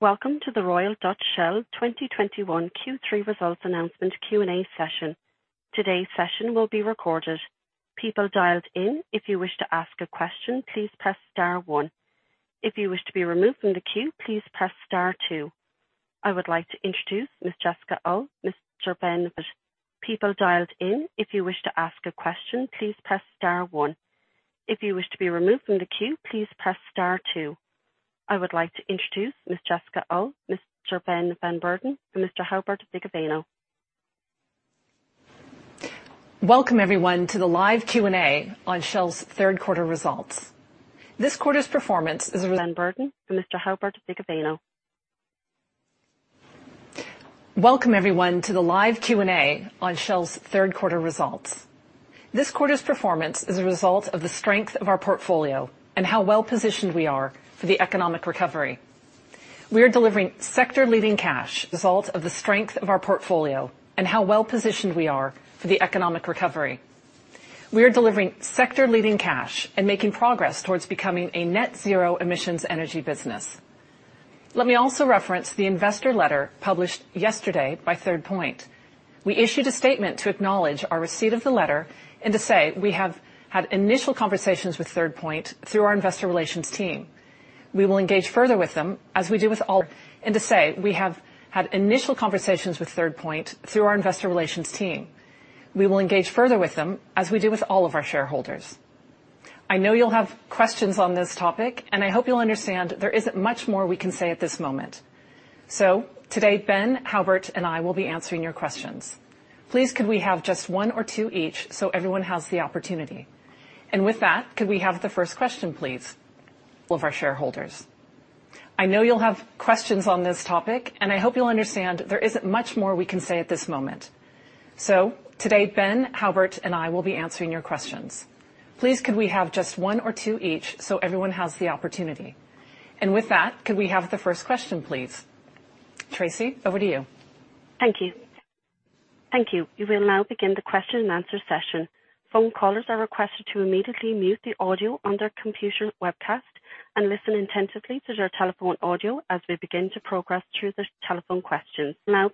Welcome to the Royal Dutch Shell 2021 Q3 results announcement Q&A session. Today's session will be recorded. People dialed in, if you wish to ask a question, please dial star one. If you wish to be removed from the queue, please press star two. I would like to introduce Ms. Jessica Uhl, Mr. Ben van Beurden, and Mr. Huibert Vigeveno. Welcome everyone to the live Q&A on Shell's third quarter results. This quarter's performance is a result of the strength of our portfolio and how well-positioned we are for the economic recovery. We are delivering sector-leading cash and making progress towards becoming a net zero emissions energy business. Let me also reference the investor letter published yesterday by Third Point. We issued a statement to acknowledge our receipt of the letter and to say we have had initial conversations with Third Point through our Investor Relations team. We will engage further with them as we do with all of our shareholders. I know you'll have questions on this topic, and I hope you'll understand there isn't much more we can say at this moment. Today, Ben, Huibert and I will be answering your questions. Please, could we have just one or two each, so everyone has the opportunity? With that, could we have the first question, please? Tracy, over to you. Thank you. We will now begin the question and answer session. Phone callers are requested to immediately mute the audio on their computer webcast and listen intensively to their telephone audio as we begin to progress through the telephone questions. If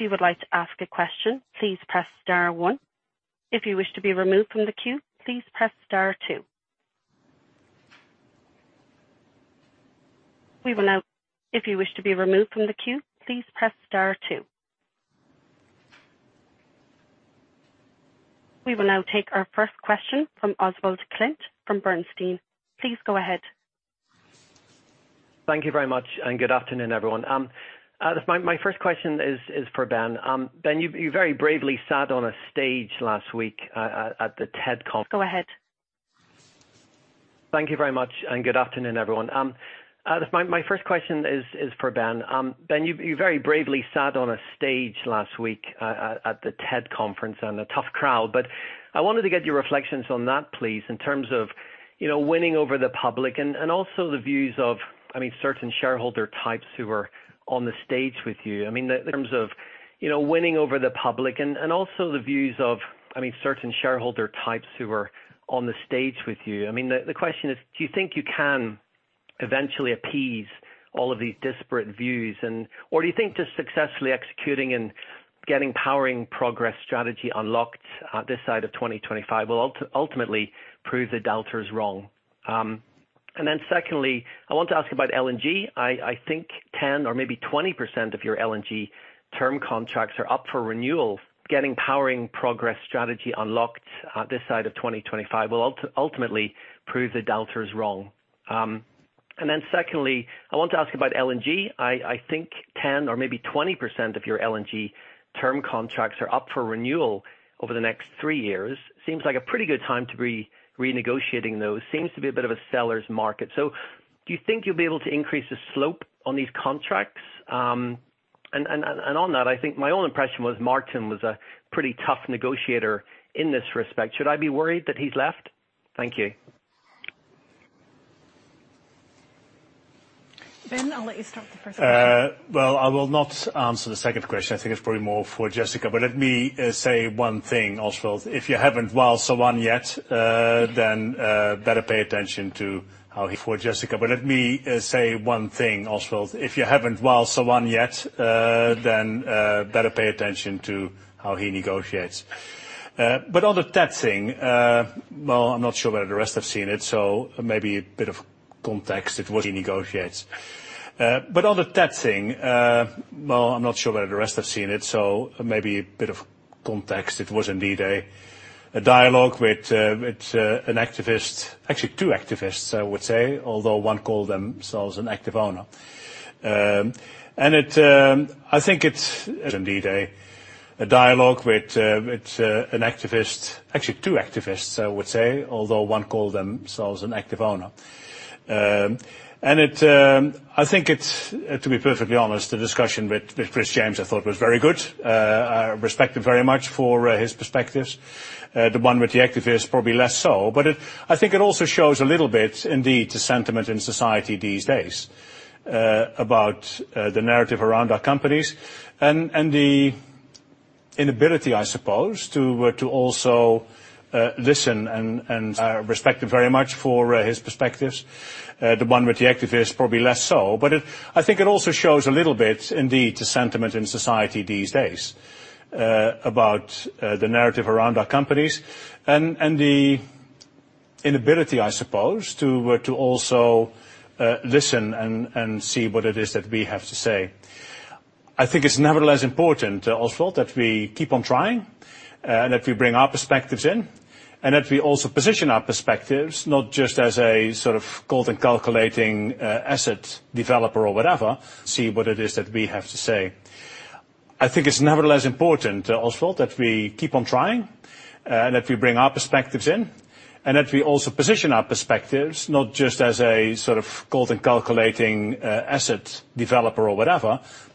you would like to ask a question, please press star one. If you wish to be removed from the queue, please press star two. We will now take our first question from Oswald Clint from Bernstein. Please go ahead. Thank you very much, and good afternoon everyone. My first question is for Ben. Ben, you very bravely sat on a stage last week at the TED conference and a tough crowd. I wanted to get your reflections on that, please, in terms of, you know, winning over the public and also the views of, I mean, certain shareholder types who are on the stage with you. I mean, the question is, do you think you can eventually appease all of these disparate views? Or do you think just successfully executing and getting Powering Progress strategy unlocked on this side of 2025 will ultimately prove the doubters wrong? Secondly, I want to ask about LNG. I think 10% or maybe 20% of your LNG term contracts are up for renewal over the next three years. Getting Powering Progress strategy unlocked on this side of 2025 will ultimately prove the doubters wrong. Seems like a pretty good time to be renegotiating those. Seems to be a bit of a seller's market. Do you think you'll be able to increase the slope on these contracts? On that, I think my own impression was Martin was a pretty tough negotiator in this respect. Should I be worried that he's left? Thank you. Ben, I'll let you start the first one. Well, I will not answer the second question. I think it's probably more for Jessica. Let me say one thing, Oswald. If you haven't Wael'd someone yet, then better pay attention to how he negotiates. On the TED thing, well, I'm not sure whether the rest have seen it, so maybe a bit of context. It was indeed a dialogue with an activist. Actually two activists, I would say, although one called themselves an Active Owner. I think it's, to be perfectly honest, the discussion with Chris James, I thought was very good. I respect him very much for his perspectives. The one with the activist, probably less so. It also shows a little bit indeed the sentiment in society these days about the narrative around our companies and the inability, I suppose, to also listen and see what it is that we have to say. I think it's nevertheless important, Oswald, that we keep on trying and that we bring our perspectives in, and that we also position our perspectives not just as a sort of cold and calculating asset developer or whatever,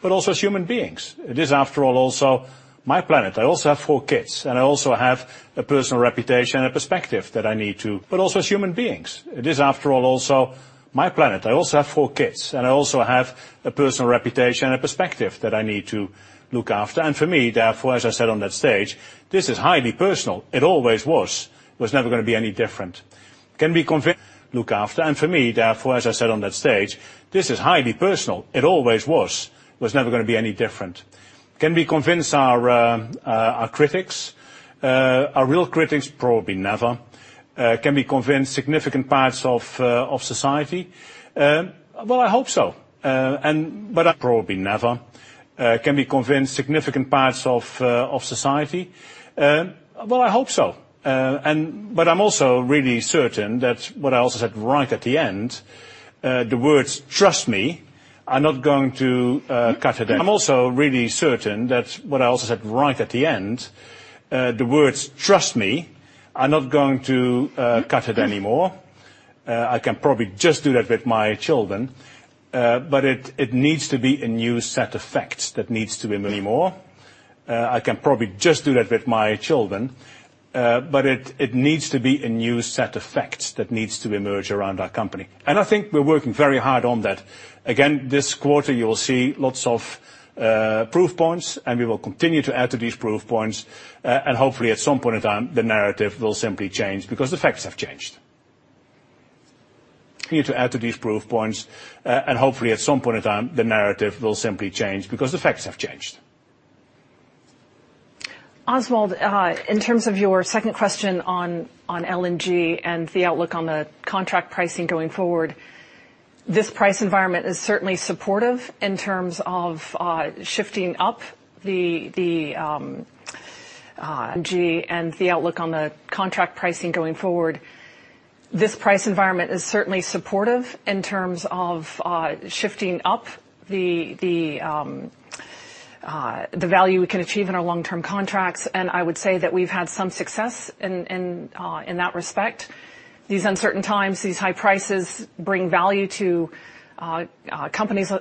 but also as human beings. It is after all also my planet. I also have four kids, and I also have a personal reputation and perspective that I need to look after. Also as human beings, it is after all also my planet. For me, therefore, as I said on that stage, this is highly personal. It always was. It was never gonna be any different. Can we convince our critics? Our real critics? Probably never. Can we convince significant parts of society? Well, I hope so. Well, I hope so. I'm also really certain that what I also said right at the end, the words "trust me" are not going to cut it anymore. I can probably just do that with my children. It needs to be a new set of facts that needs to emerge around our company. I think we're working very hard on that. Again, this quarter, you will see lots of proof points, and we will continue to add to these proof points. Hopefully at some point in time, the narrative will simply change because the facts have changed. Oswald, in terms of your second question on LNG and the outlook on the contract pricing going forward, this price environment is certainly supportive in terms of shifting up the value we can achieve in our long-term contracts. I would say that we've had some success in that respect. These uncertain times, these high prices bring value to companies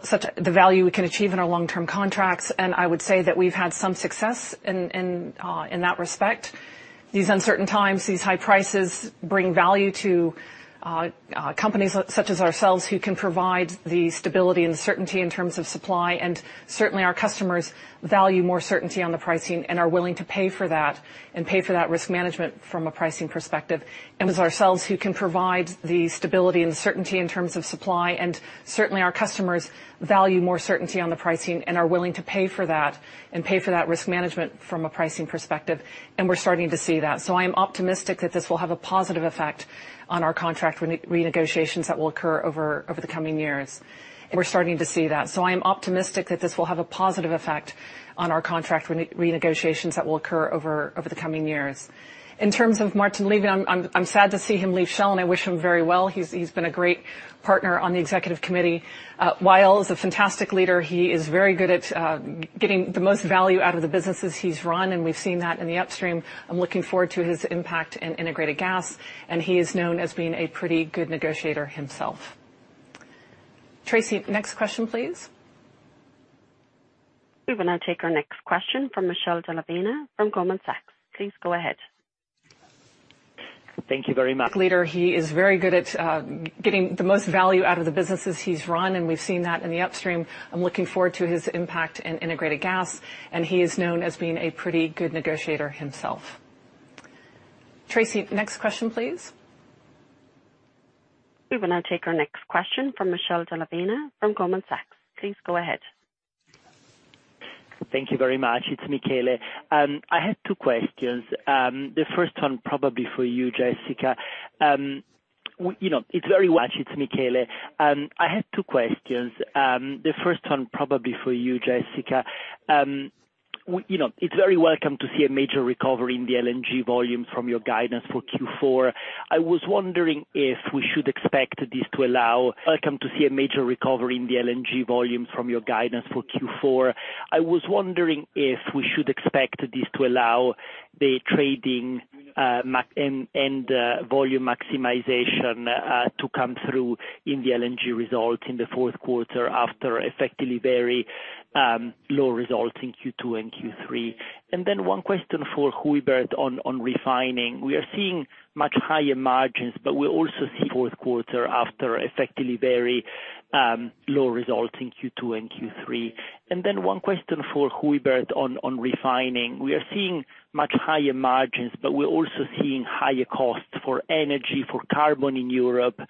such as ourselves who can provide the stability and certainty in terms of supply. Certainly, our customers value more certainty on the pricing and are willing to pay for that risk management from a pricing perspective. As ourselves who can provide the stability and the certainty in terms of supply, and we're starting to see that. I'm optimistic that this will have a positive effect on our contract renegotiations that will occur over the coming years. In terms of Martin leaving, I'm sad to see him leave Shell, and I wish him very well. He's been a great partner on the executive committee. Wael is a fantastic leader. He is very good at getting the most value out of the businesses he's run, and we've seen that in the upstream. I'm looking forward to his impact in integrated gas, and he is known as being a pretty good negotiator himself. Tracy, next question, please. We will now take our next question from Michele Della Vigna from Goldman Sachs. Please go ahead. Thank you very much. It's Michele. I have two questions. The first one probably for you, Jessica. You know, it's very welcome to see a major recovery in the LNG volumes from your guidance for Q4. I was wondering if we should expect this to allow the trading, and volume maximization, to come through in the LNG results in the fourth quarter after effectively very low results in Q2 and Q3. Then one question for Huibert on refining. Fourth quarter after effectively very low results in Q2 and Q3. One question for Huibert on refining. We are seeing much higher margins, but we're also seeing higher costs for energy, for carbon in Europe.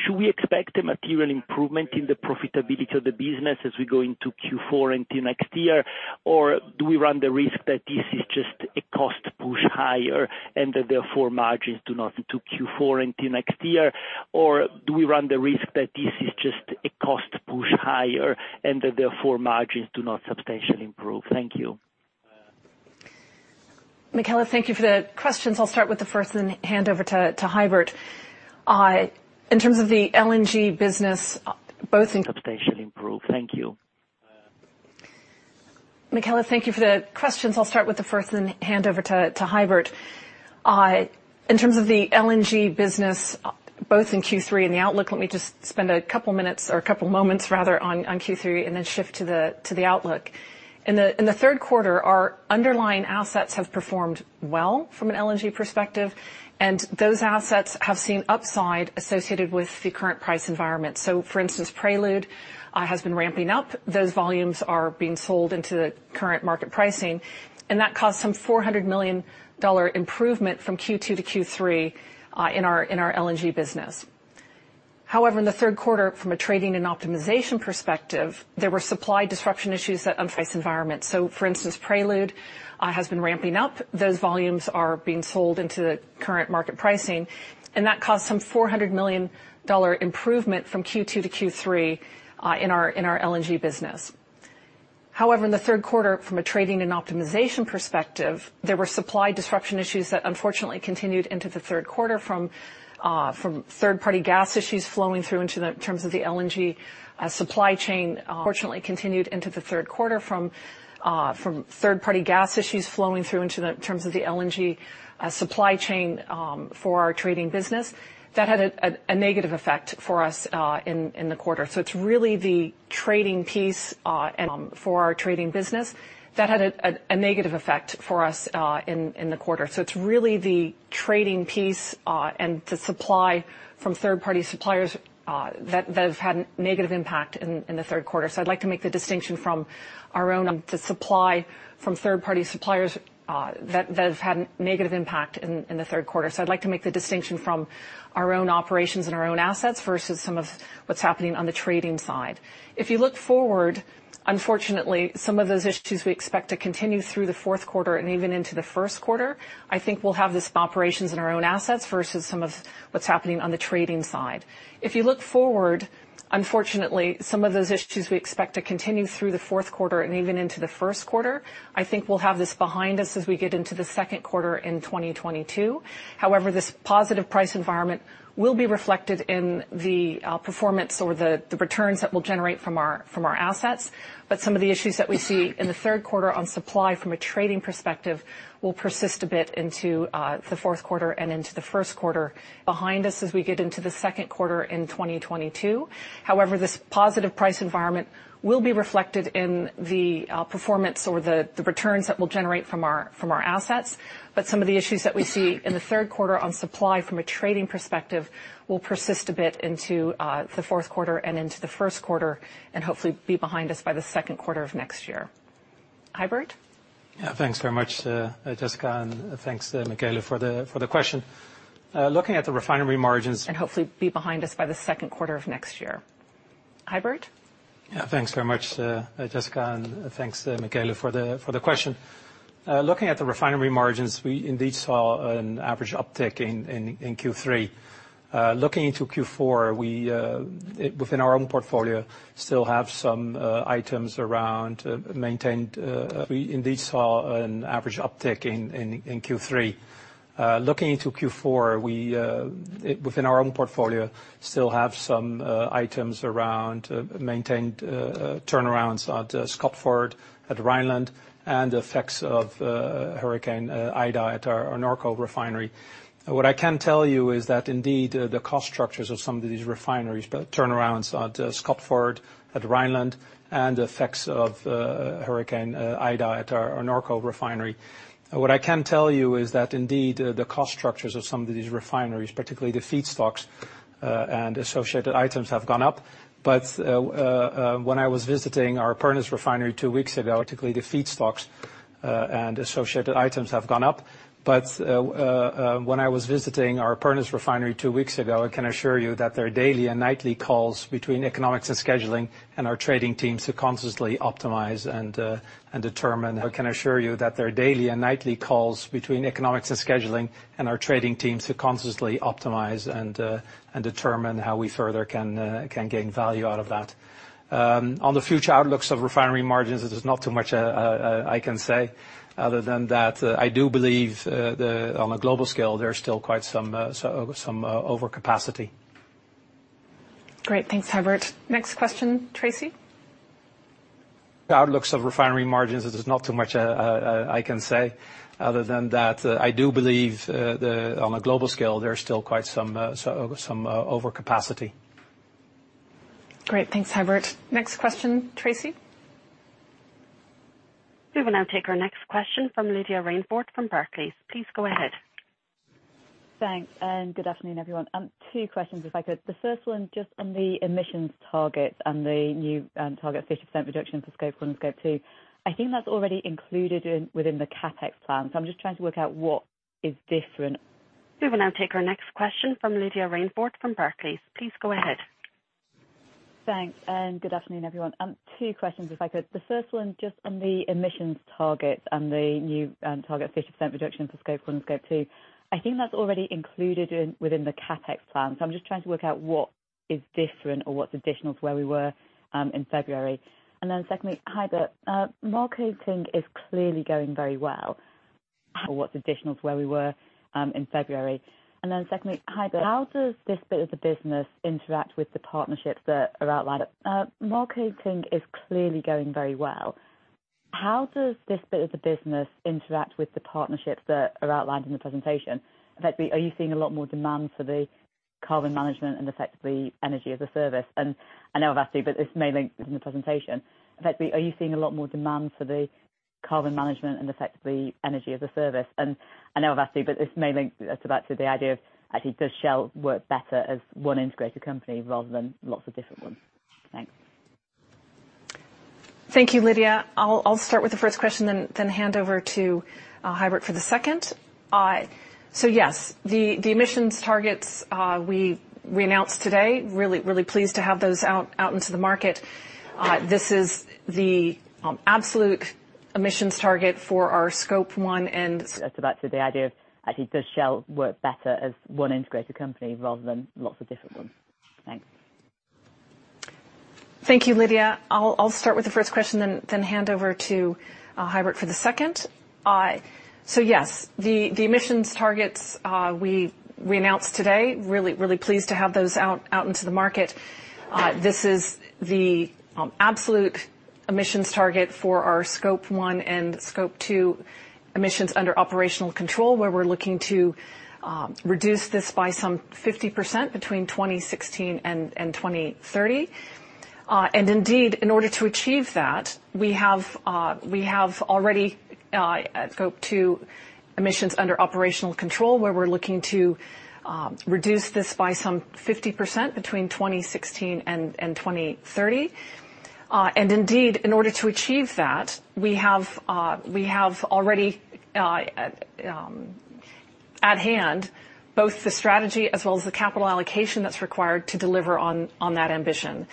Should we expect a material improvement in the profitability of the business as we go into Q4 and next year? Or do we run the risk that this is just a cost-push higher and that therefore margins do not substantially improve? Thank you. Michele, thank you for the questions. I'll start with the first then hand over to Huibert. In terms of the LNG business, both in Q3 and the outlook, let me just spend a couple minutes or a couple moments rather on Q3 and then shift to the outlook. In the third quarter, our underlying assets have performed well from an LNG perspective, and those assets have seen upside associated with the current price environment. For instance, Prelude has been ramping up. Those volumes are being sold into the current market pricing, and that caused some $400 million improvement from Q2 to Q3 in our LNG business. However, in the third quarter, from a trading and optimization perspective, there were supply disruption issues that unfortunately continued into the third quarter from third-party gas issues flowing through into the terms of the LNG supply chain for our trading business. That had a negative effect for us in the quarter. It's really the trading piece and for our trading business that had a negative effect for us in the quarter. It's really the trading piece and the supply from third-party suppliers that have had negative impact in the third quarter. I'd like to make the distinction from our own operations and our own assets versus some of what's happening on the trading side. If you look forward, unfortunately, some of those issues we expect to continue through the fourth quarter and even into the first quarter. I think we'll have this behind us as we get into the second quarter in 2022. However, this positive price environment will be reflected in the performance or the returns that we'll generate from our assets. Some of the issues that we see in the third quarter on supply from a trading perspective will persist a bit into the fourth quarter and into the first quarter. Some of the issues that we see in the third quarter on supply from a trading perspective will persist a bit into the fourth quarter and into the first quarter, and hopefully be behind us by the second quarter of next year. Huibert? Yeah. Thanks very much, Jessica, and thanks to Michele for the question. Looking at the refinery margins we indeed saw an average uptick in Q3. Looking into Q4, we within our own portfolio still have some items around maintenance turnarounds at Scotford, at Rheinland, and the effects of Hurricane Ida at our Norco refinery. What I can tell you is that indeed the cost structures of some of these refineries turnarounds at Scotford, at Rheinland, and the effects of Hurricane Ida at our Norco refinery. What I can tell you is that indeed the cost structures of some of these refineries, particularly the feedstocks and associated items, have gone up. When I was visiting our partner's refinery two weeks ago, I can assure you that there are daily and nightly calls between economics and scheduling and our trading teams to consciously optimize and determine how we further can gain value out of that. On the future outlooks of refinery margins, there's not too much I can say other than that I do believe on a global scale, there's still quite some overcapacity. Great. Thanks, Huibert. Next question, Tracy? We will now take our next question from Lydia Rainforth from Barclays. Please go ahead. Thanks, and good afternoon, everyone. Two questions if I could. The first one, just on the emissions targets and the new target 50% reduction for Scope 1 and Scope 2. I think that's already included within the CapEx plan. I'm just trying to work out what is different or what's additional to where we were in February. Then secondly, Huibert, marketing is clearly going very well. How does this bit of the business interact with the partnerships that are outlined in the presentation? Effectively, are you seeing a lot more demand for the carbon management and effectively energy as a service? I know, actually, but this may link in the presentation. Effectively, are you seeing a lot more demand for the carbon management and effectively energy as a service? I know, actually, but this may link to that, to the idea, actually, does Shell work better as one integrated company rather than lots of different ones? Thanks. Thank you, Lydia. I'll start with the first question then hand over to Huibert for the second. Yes, the emissions targets we announced today, really pleased to have those out into the market. This is the absolute emissions target for our Scope 1 and Scope 2 emissions under operational control, where we're looking to reduce this by some 50% between 2016 and 2030. Indeed, in order to achieve that, we have already Scope 2 emissions under operational control, where we're looking to reduce this by some 50% between 2016 and 2030. Indeed, in order to achieve that we have already at hand both the strategy as well as the capital allocation that's required to deliver on that ambition.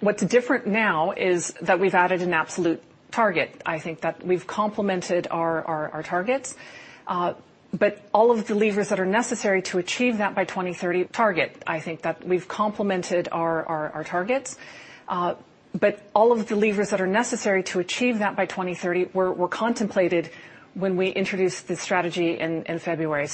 What's different now is that we've added an absolute target. I think that we've complemented our targets. All of the levers that are necessary to achieve that by 2030 were contemplated when we introduced this strategy in February.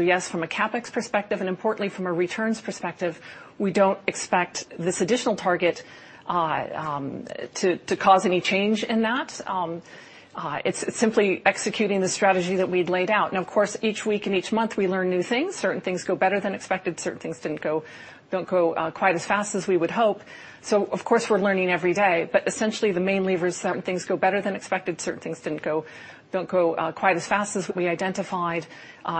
Yes, from a CapEx perspective, and importantly from a returns perspective, we don't expect this additional target to cause any change in that. It's simply executing the strategy that we'd laid out. Now, of course, each week and each month, we learn new things. Certain things go better than expected, certain things didn't go, don't go quite as fast as we would hope. Of course, we're learning every day. Essentially the main levers, certain things go better than expected, certain things don't go quite as fast as we identified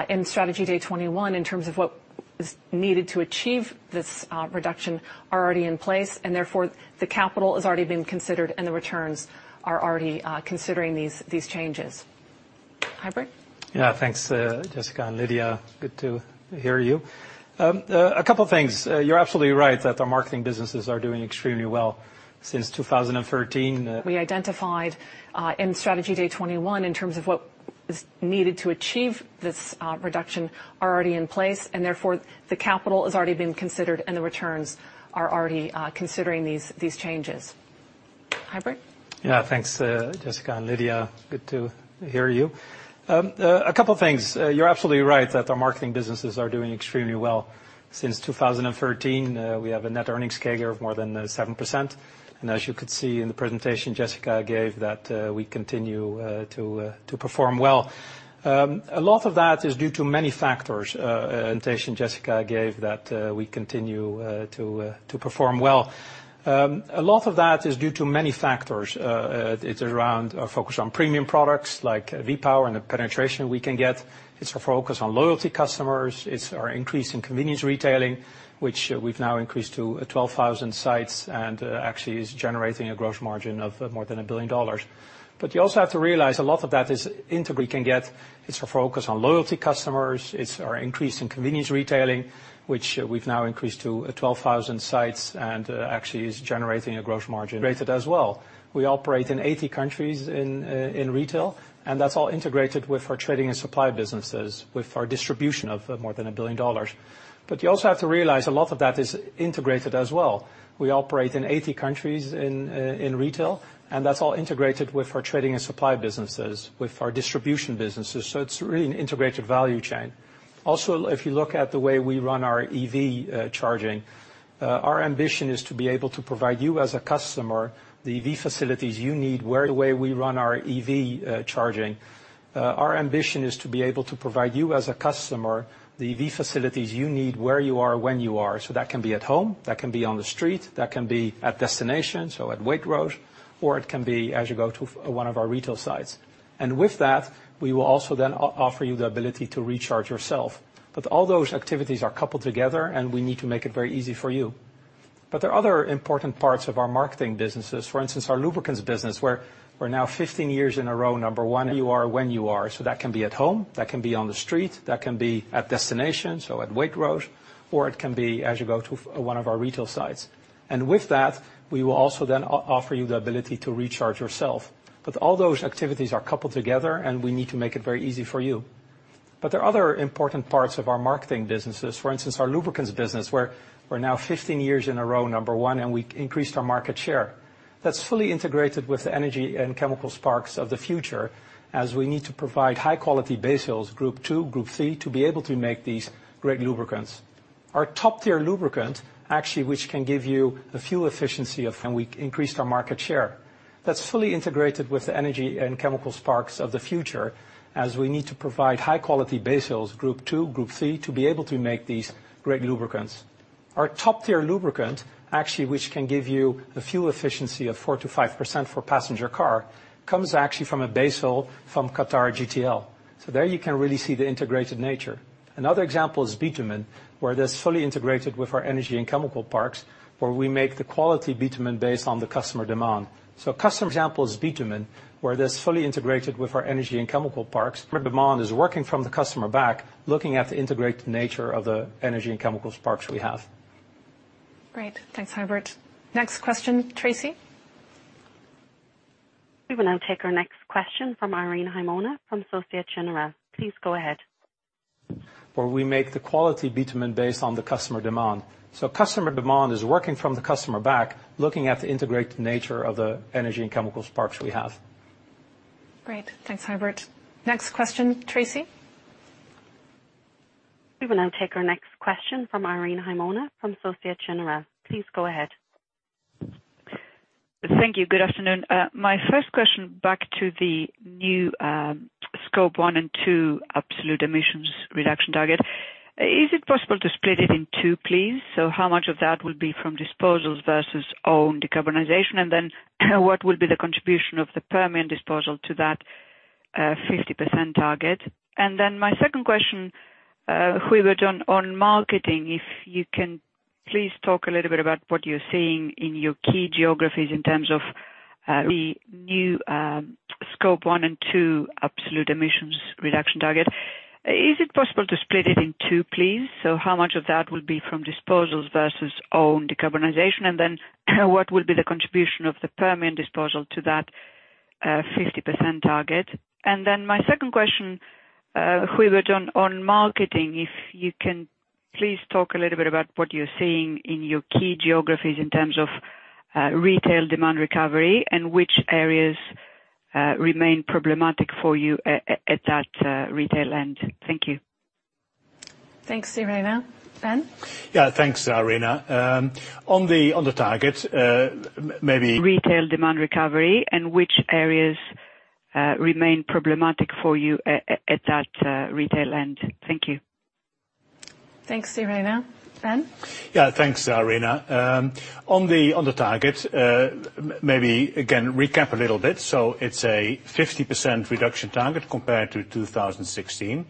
in Strategy Day 21 in terms of what is needed to achieve this reduction are already in place, and therefore the capital has already been considered and the returns are already considering these changes. Huibert? Yeah, thanks, Jessica and Lydia, good to hear you. A couple things. You're absolutely right that our marketing businesses are doing extremely well. Since 2013, we have a net earnings CAGR of more than 7%. As you could see in the presentation Jessica gave that we continue to perform well. A lot of that is due to many factors. It's around our focus on premium products like V-Power and the penetration we can get. It's our focus on loyalty customers. It's our increase in convenience retailing, which we've now increased to 12,000 sites and actually is generating a gross margin of more than $1 billion. You also have to realize a lot of that is integrated as well. It's our focus on loyal customers. It's our increase in convenience retailing, which we've now increased to 12,000 sites and actually is generating a gross margin. Integrated as well. We operate in 80 countries in retail, and that's all integrated with our trading and supply businesses, with our distribution businesses. So it's really an integrated value chain. If you look at the way we run our EV charging, our ambition is to be able to provide you as a customer the EV facilities you need where you are, when you are. That can be at home, that can be on the street, that can be at destinations or at Waitrose, or it can be as you go to one of our retail sites. With that, we will also then offer you the ability to recharge yourself. All those activities are coupled together, and we need to make it very easy for you. There are other important parts of our marketing businesses. For instance, our lubricants business, where we're now 15 years in a row number one, and we increased our market share. That's fully integrated with the energy and chemical parks of the future, as we need to provide high-quality base oils, Group II, Group III, to be able to make these great lubricants. Our top-tier lubricant, actually, which can give you the fuel efficiency of 4%-5% for passenger car, comes actually from a base oil from Qatar GTL. So there you can really see the integrated nature. Another example is bitumen, where it is fully integrated with our energy and chemical parks, where we make the quality bitumen based on the customer demand. Customer demand is working from the customer back, looking at the integrated nature of the energy and chemical parks we have. Great. Thanks, Huibert. Next question, Tracy? We will now take our next question from Irene Himona from Société Générale. Please go ahead. Thank you. Good afternoon. My first question back to the new Scope 1 and 2 absolute emissions reduction target. Is it possible to split it in two, please? So how much of that will be from disposals versus own decarbonization? What will be the contribution of the Permian disposal to that 50% target? My second question, Huibert, on marketing. If you can please talk a little bit about what you're seeing in your key geographies in terms of retail demand recovery and which areas remain problematic for you at that retail end. Thank you. Thanks, Irene. Ben? Yeah, thanks, Irene. On the target, maybe, again, recap a little bit. It's a 50% reduction target compared to 2016,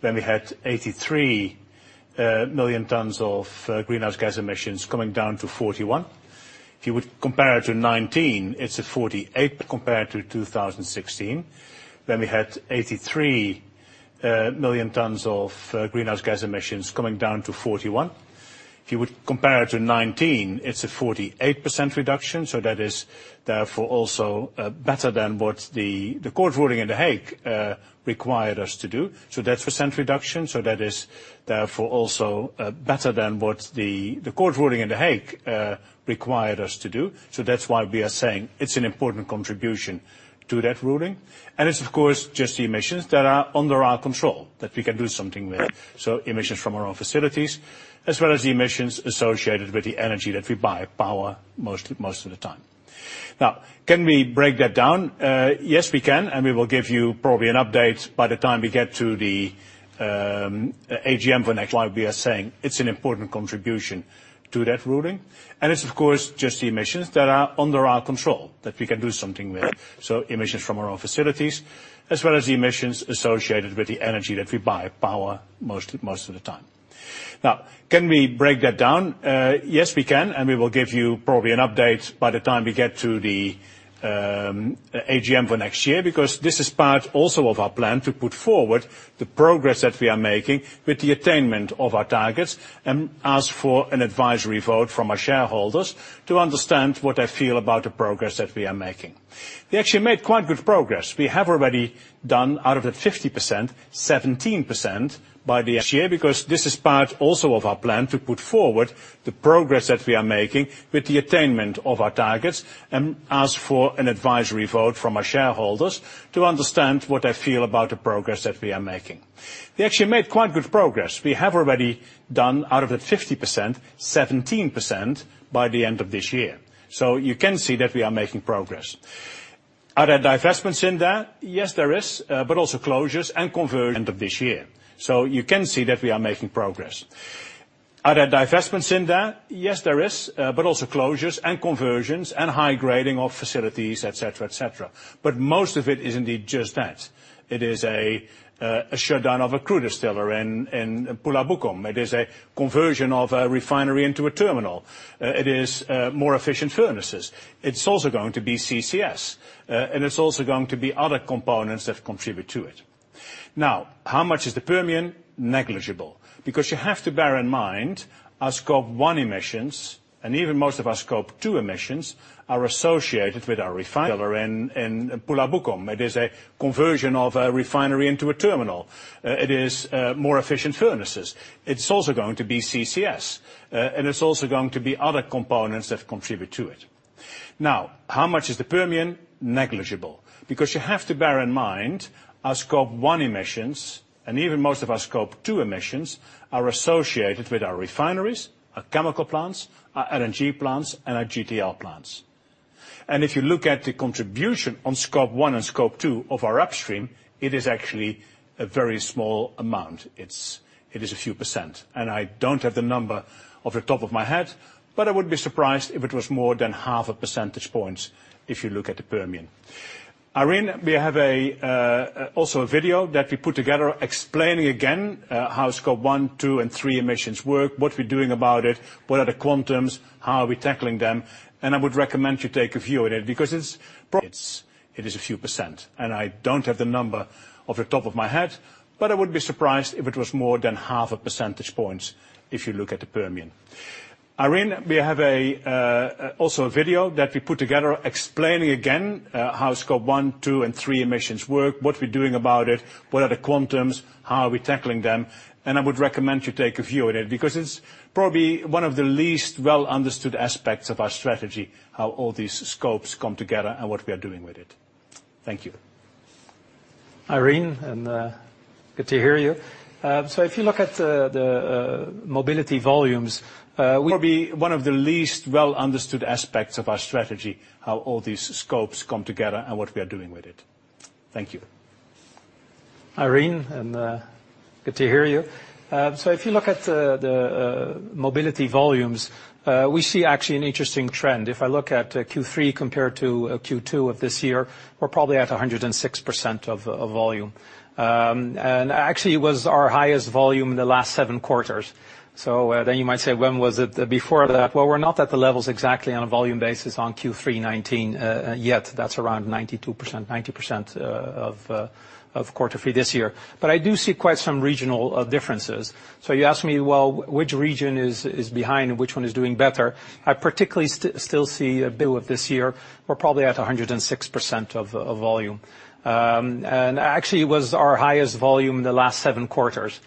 when we had 83 million tons of greenhouse gas emissions coming down to 41. If you would compare it to 2019, it's a 48% reduction, so that is therefore also better than what the court ruling in The Hague required us to do. That's why we are saying it's an important contribution to that ruling. It's of course, just the emissions that are under our control that we can do something with. Emissions from our own facilities as well as the emissions associated with the energy that we buy, power, most of the time. Now, can we break that down? Yes, we can, and we will give you probably an update by the time we get to the AGM. Like we are saying, it's an important contribution to that ruling. It's of course just the emissions that are under our control that we can do something with. Emissions from our own facilities as well as the emissions associated with the energy that we buy power most of the time. Now, can we break that down? Yes, we can, and we will give you probably an update by the time we get to the AGM for next year. Because this is part also of our plan to put forward the progress that we are making with the attainment of our targets and ask for an advisory vote from our shareholders to understand what they feel about the progress that we are making. We actually made quite good progress. We have already done out of the 50%, 17% by the end of this year, because this is part also of our plan to put forward the progress that we are making with the attainment of our targets and ask for an advisory vote from our shareholders to understand what they feel about the progress that we are making. So you can see that we are making progress. Are there divestments in that? Yes, there is, but also closures and conversions and high grading of facilities, et cetera, et cetera. Most of it is indeed just that. It is a shutdown of a crude distiller in Pulau Bukom. It is a conversion of a refinery into a terminal. It is more efficient furnaces. It's also going to be CCS, and it's also going to be other components that contribute to it. Now, how much is the Permian? Negligible. Because you have to bear in mind our Scope 1 emissions, and even most of our Scope 2 emissions, are associated with our refineries, our chemical plants, our LNG plants, and our GTL plants. If you look at the contribution on Scope 1 and Scope 2 of our upstream, it is actually a very small amount. It is a few percent. I don't have the number off the top of my head, but I would be surprised if it was more than half a percentage point if you look at the Permian. Irene, we have also a video that we put together explaining again how Scope 1, 2, and 3 emissions work, what we're doing about it, what are the quantums, how are we tackling them? I would recommend you take a view at it because it is a few percent, and I don't have the number off the top of my head, but I would be surprised if it was more than half a percentage point if you look at the Permian. Irene, we have also a video that we put together explaining again how Scope 1, 2, and 3 emissions work, what we're doing about it, what are the quantums, how are we tackling them? I would recommend you take a view at it because it's probably one of the least well-understood aspects of our strategy, how all these scopes come together and what we are doing with it. Thank you. Irene, and good to hear you. If you look at the mobility volumes, we see actually an interesting trend. If I look at Q3 compared to Q2 of this year, we're probably at 106% of volume. Actually it was our highest volume in the last seven quarters. Then you might say, "When was it before that?" Well, we're not at the levels exactly on a volume basis on Q3 2019 yet. That's around 92%, 90% of Q3 this year. I do see quite some regional differences. You ask me, "Well, which region is behind and which one is doing better?" I particularly still see a bit of this year, we're probably at 106% of volume. Actually it was our highest volume in the last seven quarters.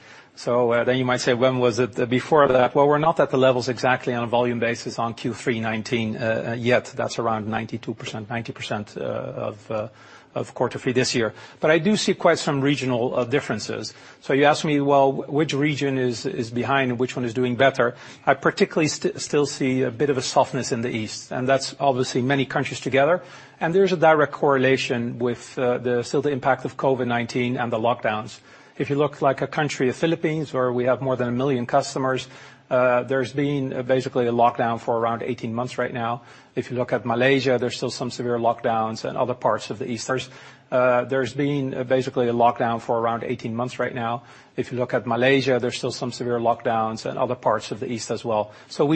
Then you might say, "When was it before that?" Well, we're not at the levels exactly on a volume basis on Q3 2019 yet. That's around 92%, 90% of quarter three this year. But I do see quite some regional differences. You ask me, "Well, which region is behind and which one is doing better?" I particularly still see a bit of a softness in the East, and that's obviously many countries together. There's a direct correlation with the still the impact of COVID-19 and the lockdowns. If you look at a country like the Philippines, where we have more than 1 million customers, there's been basically a lockdown for around 18 months right now. If you look at Malaysia, there's still some severe lockdowns and other parts of the East as well. So we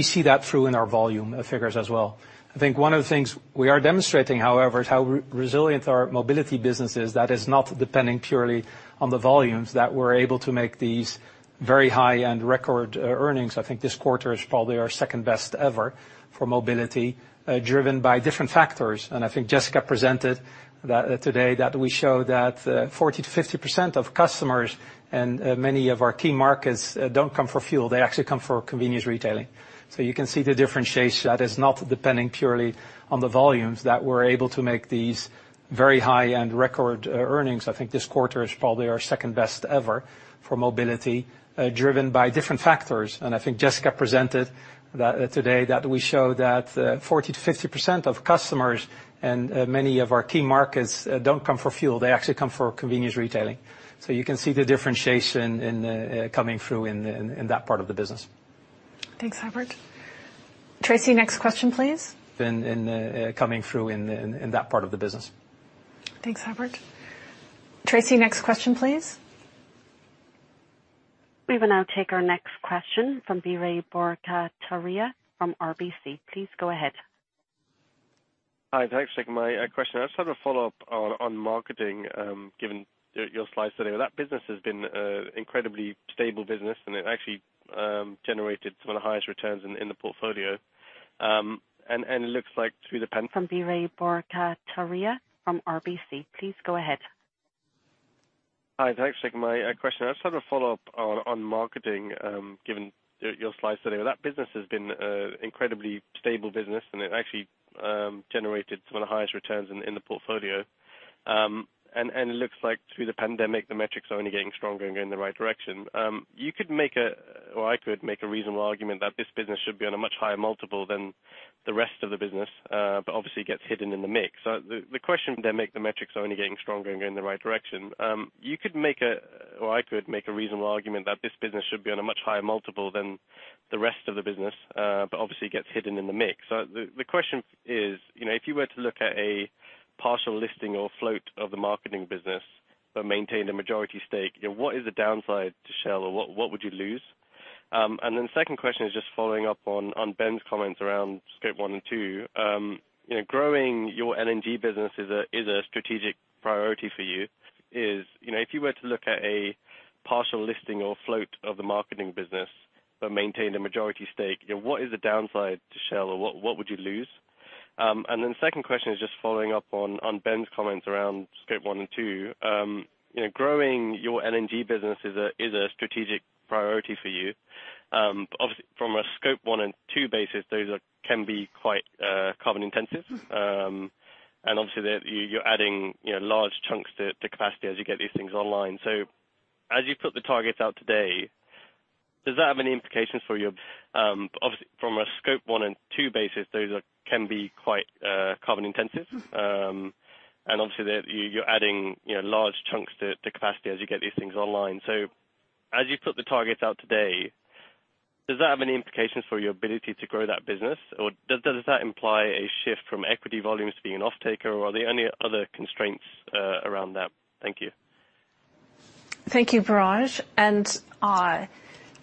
see that through in our volume figures as well. I think one of the things we are demonstrating, however, is how resilient our mobility business is, that is not depending purely on the volumes, that we're able to make these very high-end record earnings. I think this quarter is probably our second best ever for mobility, driven by different factors. I think Jessica presented that today, that we show that, 40%-50% of customers in many of our key markets don't come for fuel. They actually come for convenience retailing. You can see the differentiation coming through in that part of the business. Thanks, Huibert. Tracy, next question, please. We will now take our next question from Biraj Borkhataria from RBC. Please go ahead. Hi, thanks for taking my question. I just have a follow-up on marketing, given your slides today. That business has been an incredibly stable business, and it actually generated some of the highest returns in the portfolio. It looks like through the pandemic, the metrics are only getting stronger and going in the right direction. You could make a, or I could make a reasonable argument that this business should be on a much higher multiple than The rest of the business, but obviously gets hidden in the mix. The question is, are the metrics only getting stronger and going in the right direction. Or I could make a reasonable argument that this business should be on a much higher multiple than the rest of the business, but obviously it gets hidden in the mix. The question is, you know, if you were to look at a partial listing or float of the marketing business, but maintain the majority stake, you know, what is the downside to Shell or what would you lose? And then second question is just following up on Ben's comments around Scope 1 and 2. You know, growing your LNG business is a strategic priority for you know, if you were to look at a partial listing or float of the marketing business but maintain the majority stake, you know, what is the strategic priority for you. Obviously from a Scope 1 and 2 basis, those can be quite carbon intensive. Obviously there you're adding, you know, large chunks to capacity as you get these things online. As you put the targets out today, does that have any implications for your ability to grow that business? Or does that imply a shift from equity volumes being an offtaker? Or are there any other constraints around that? Thank you. Thank you, Biraj. Huibert,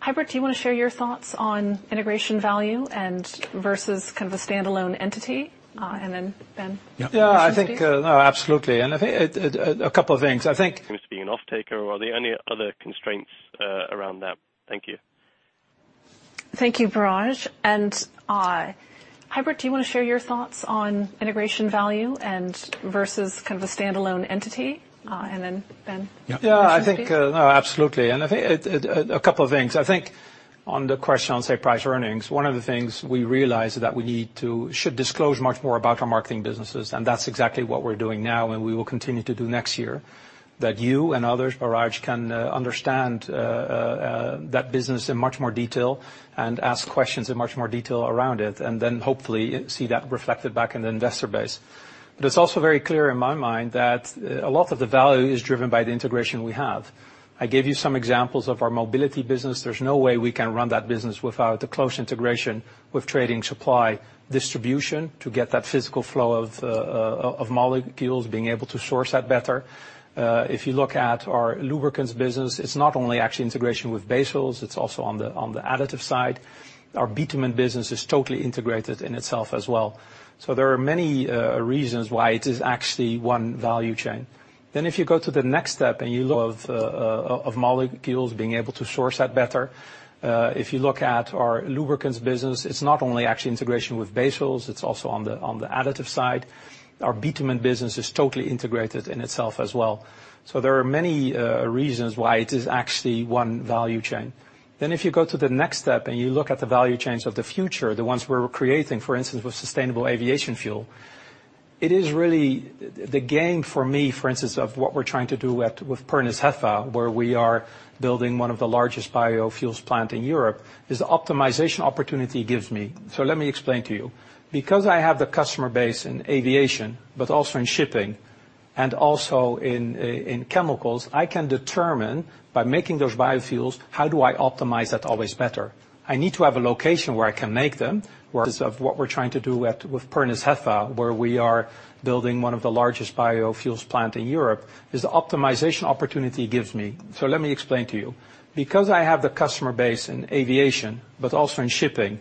do you wanna share your thoughts on integration value and versus kind of a standalone entity, and then Ben? Yeah. I think no, absolutely. I think a couple of things. I think on the question on, say, price earnings, one of the things we realized that we need to disclose much more about our marketing businesses, and that's exactly what we're doing now, and we will continue to do next year. That you and others, Biraj can understand that business in much more detail and ask questions in much more detail around it, and then hopefully see that reflected back in the investor base. But it's also very clear in my mind that a lot of the value is driven by the integration we have. I gave you some examples of our mobility business. There's no way we can run that business without the close integration with trading supply distribution to get that physical flow of molecules, being able to source that better. If you look at our lubricants business, it's not only actually integration with base oils, it's also on the additive side. Our bitumen business is totally integrated in itself as well. There are many reasons why it is actually one value chain. If you go to the next step and you look at the value chains of the future, the ones we're creating, for instance, with sustainable aviation fuel, it is really the gain for me, for instance, of what we're trying to do at, with Pernis HEFA, where we are building one of the largest biofuels plant in Europe, is the optimization opportunity it gives me. So let me explain to you. Because I have the customer base in aviation, but also in shipping and also in chemicals, I can determine by making those biofuels, how do I optimize that always better. I need to have a location where I can make them. Let me explain to you. Because I have the customer base in aviation, but also in shipping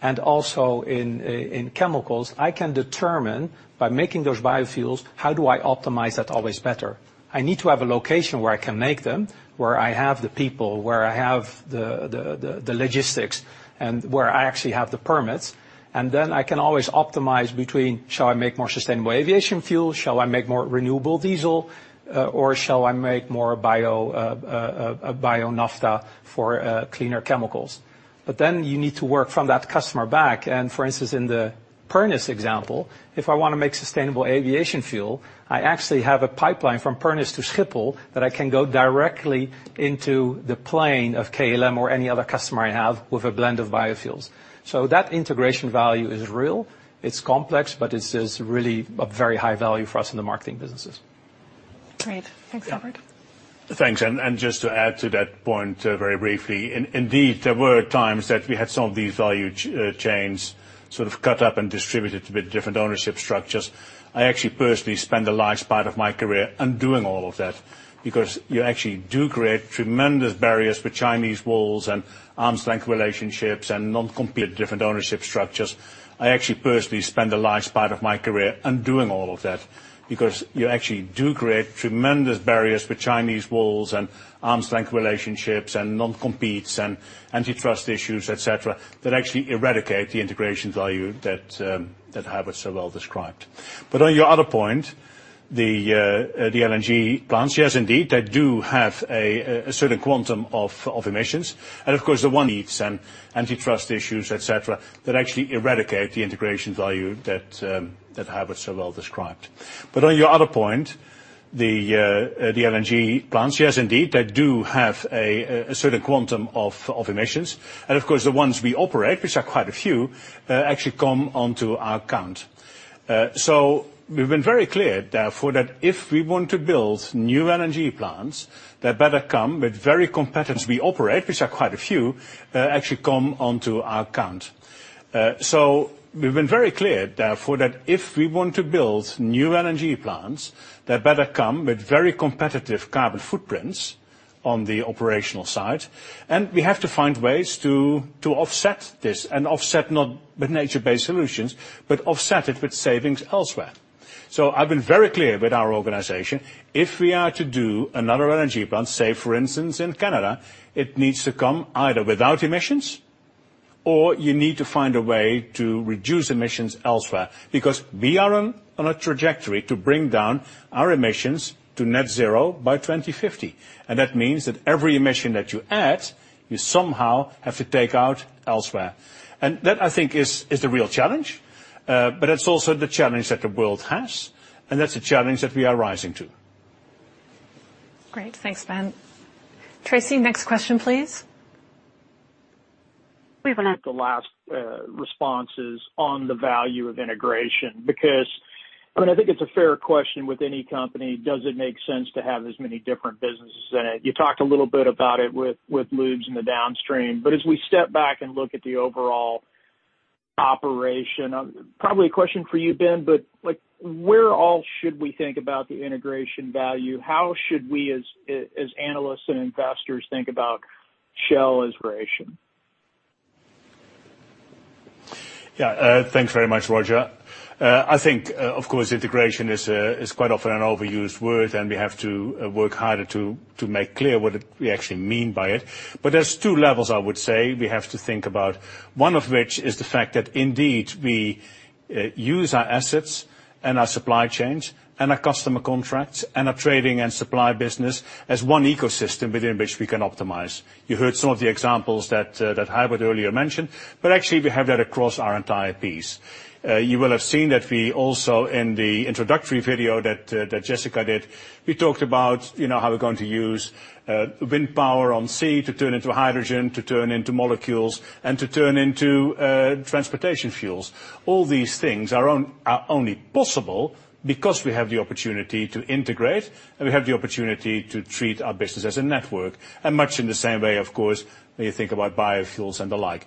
and also in chemicals, I can determine by making those biofuels, how do I optimize that always better. I need to have a location where I can make them, where I have the people, where I have the logistics and where I actually have the permits, and then I can always optimize between, shall I make more sustainable aviation fuel? Shall I make more renewable diesel, or shall I make more bio-naphtha for cleaner chemicals? But then you need to work from that customer back. For instance, in the Pernis example, if I wanna make sustainable aviation fuel, I actually have a pipeline from Pernis to Schiphol that I can go directly into the plane of KLM or any other customer I have with a blend of biofuels. That integration value is real, it's complex, but it is really a very high value for us in the marketing businesses. Great. Thanks, Huibert. Yeah. Thanks. Just to add to that point, very briefly, indeed, there were times that we had some of these value chains sort of cut up and distributed with different ownership structures. I actually personally spent a large part of my career undoing all of that because you actually do create tremendous barriers with Chinese walls and arm's length relationships and non-competes and antitrust issues, et cetera, that actually eradicate the integration value that Huibert so well described. On your other point, the LNG plants, yes, indeed, they do have a certain quantum of emissions. Of course, the ownership needs and antitrust issues, et cetera, that actually eradicate the integration value that Huibert so well described. On your other point, the LNG plants, yes, indeed, they do have a certain quantum of emissions. Of course, the ones we operate, which are quite a few, actually come onto our account. We've been very clear, therefore, that if we want to build new LNG plants, they better come with very competitive carbon footprints on the operational side, and we have to find ways to offset this. Offset not with nature-based solutions, but offset it with savings elsewhere. I've been very clear with our organization, if we are to do another LNG plant, say for instance in Canada, it needs to come either without emissions. You need to find a way to reduce emissions elsewhere because we are on a trajectory to bring down our emissions to net zero by 2050. That means that every emission that you add, you somehow have to take out elsewhere. That, I think, is the real challenge. It's also the challenge that the world has, and that's a challenge that we are rising to. Great. Thanks, Ben. Tracy, next question please. We will now- The last responses on the value of integration because I mean, I think it's a fair question with any company, does it make sense to have as many different businesses? You talked a little bit about it with lubes in the downstream, but as we step back and look at the overall operation, probably a question for you, Ben, but like, where all should we think about the integration value? How should we as analysts and investors think about Shell integration? Thanks very much, Roger. I think, of course, integration is quite often an overused word, and we have to work harder to make clear what we actually mean by it. There's two levels I would say we have to think about, one of which is the fact that indeed we use our assets and our supply chains and our customer contracts and our trading and supply business as one ecosystem within which we can optimize. You heard some of the examples that Huibert earlier mentioned, but actually we have that across our entire piece. You will have seen that we also in the introductory video that Jessica did, we talked about, you know, how we're going to use wind power on sea to turn into hydrogen, to turn into molecules, and to turn into transportation fuels. All these things are only possible because we have the opportunity to integrate, and we have the opportunity to treat our business as a network. Much in the same way, of course, when you think about biofuels and the like.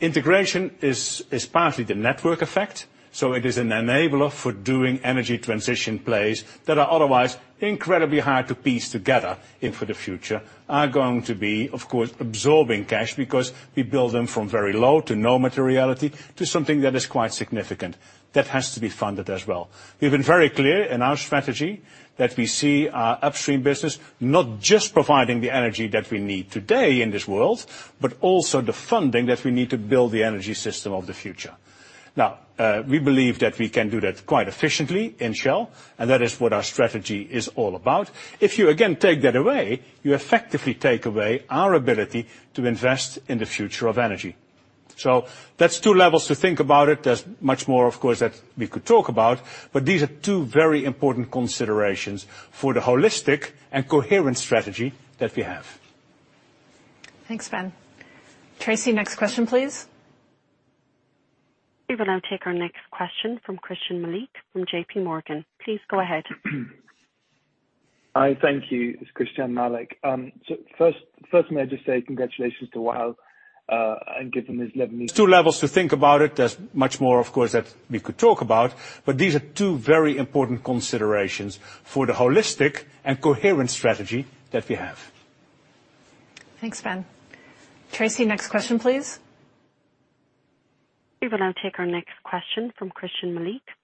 Integration is partly the network effect, so it is an enabler for doing energy transition plays that are otherwise incredibly hard to piece together in for the future, are going to be, of course, absorbing cash because we build them from very low to no materiality to something that is quite significant. That has to be funded as well. We've been very clear in our strategy that we see our upstream business not just providing the energy that we need today in this world, but also the funding that we need to build the energy system of the future. Now, we believe that we can do that quite efficiently in Shell, and that is what our strategy is all about. If you again take that away, you effectively take away our ability to invest in the future of energy. That's two levels to think about it. There's much more, of course, that we could talk about, but these are two very important considerations for the holistic and coherent strategy that we have. Thanks, Ben. Tracy, next question please. We will now take our next question from Christyan Malek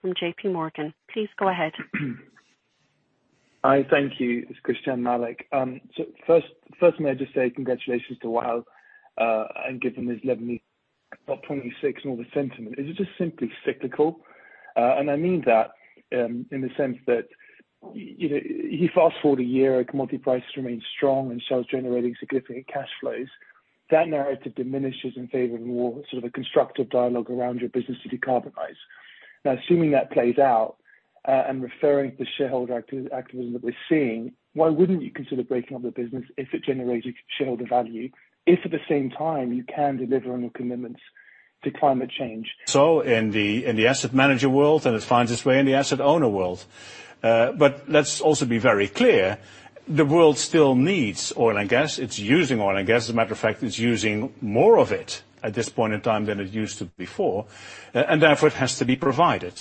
from JPMorgan. Please go ahead. Hi. Thank you. It's Christyan Malek. So first, may I just say congratulations to Wael, and given his level of 2026 and all the sentiment, is it just simply cyclical? I mean that, in the sense that, you know, you fast-forward a year, commodity prices remain strong and Shell's generating significant cash flows. That narrative diminishes in favor of more sort of a constructive dialogue around your business to decarbonize. Now, assuming that plays out, and referring to the shareholder activism that we're seeing, why wouldn't you consider breaking up the business if it generated shareholder value if at the same time you can deliver on your commitments to climate change? In the asset manager world, and it finds its way in the asset owner world. Let's also be very clear, the world still needs oil and gas. It's using oil and gas. As a matter of fact, it's using more of it at this point in time than it used to before, and therefore it has to be provided.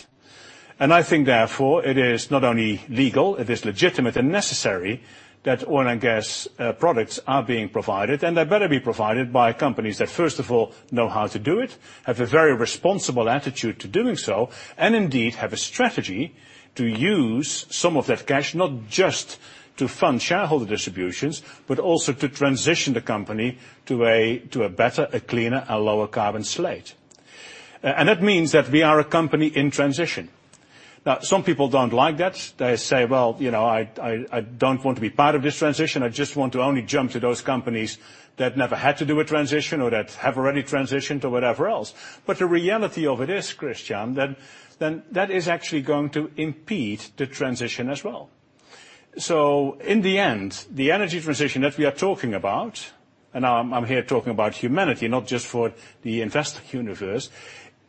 I think therefore it is not only legal, it is legitimate and necessary that oil and gas products are being provided, and they better be provided by companies that, first of all, know how to do it, have a very responsible attitude to doing so, and indeed have a strategy to use some of that cash, not just to fund shareholder distributions, but also to transition the company to a better, a cleaner, a lower carbon slate. That means that we are a company in transition. Now, some people don't like that. They say, "Well, you know, I don't want to be part of this transition. I just want to only jump to those companies that never had to do a transition or that have already transitioned to whatever else." The reality of it is, Christyan, then that is actually going to impede the transition as well. In the end, the energy transition that we are talking about, and I'm here talking about humanity, not just for the investor universe,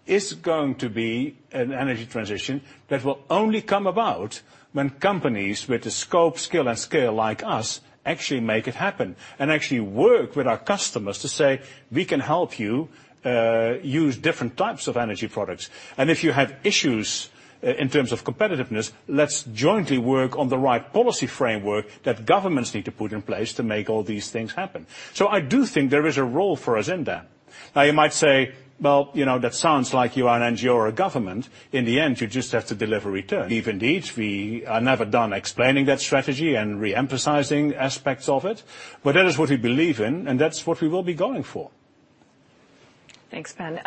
is going to be an energy transition that will only come about when companies with the scope, skill, and scale like us actually make it happen and actually work with our customers to say, "We can help you, use different types of energy products. If you have issues in terms of competitiveness, let's jointly work on the right policy framework that governments need to put in place to make all these things happen. I do think there is a role for us in that. Now, you might say, "Well, you know, that sounds like you are an NGO or a government. In the end, you just have to deliver returns." Believe indeed, we are never done explaining that strategy and re-emphasizing aspects of it, but that is what we believe in, and that's what we will be going for. Thanks, Ben.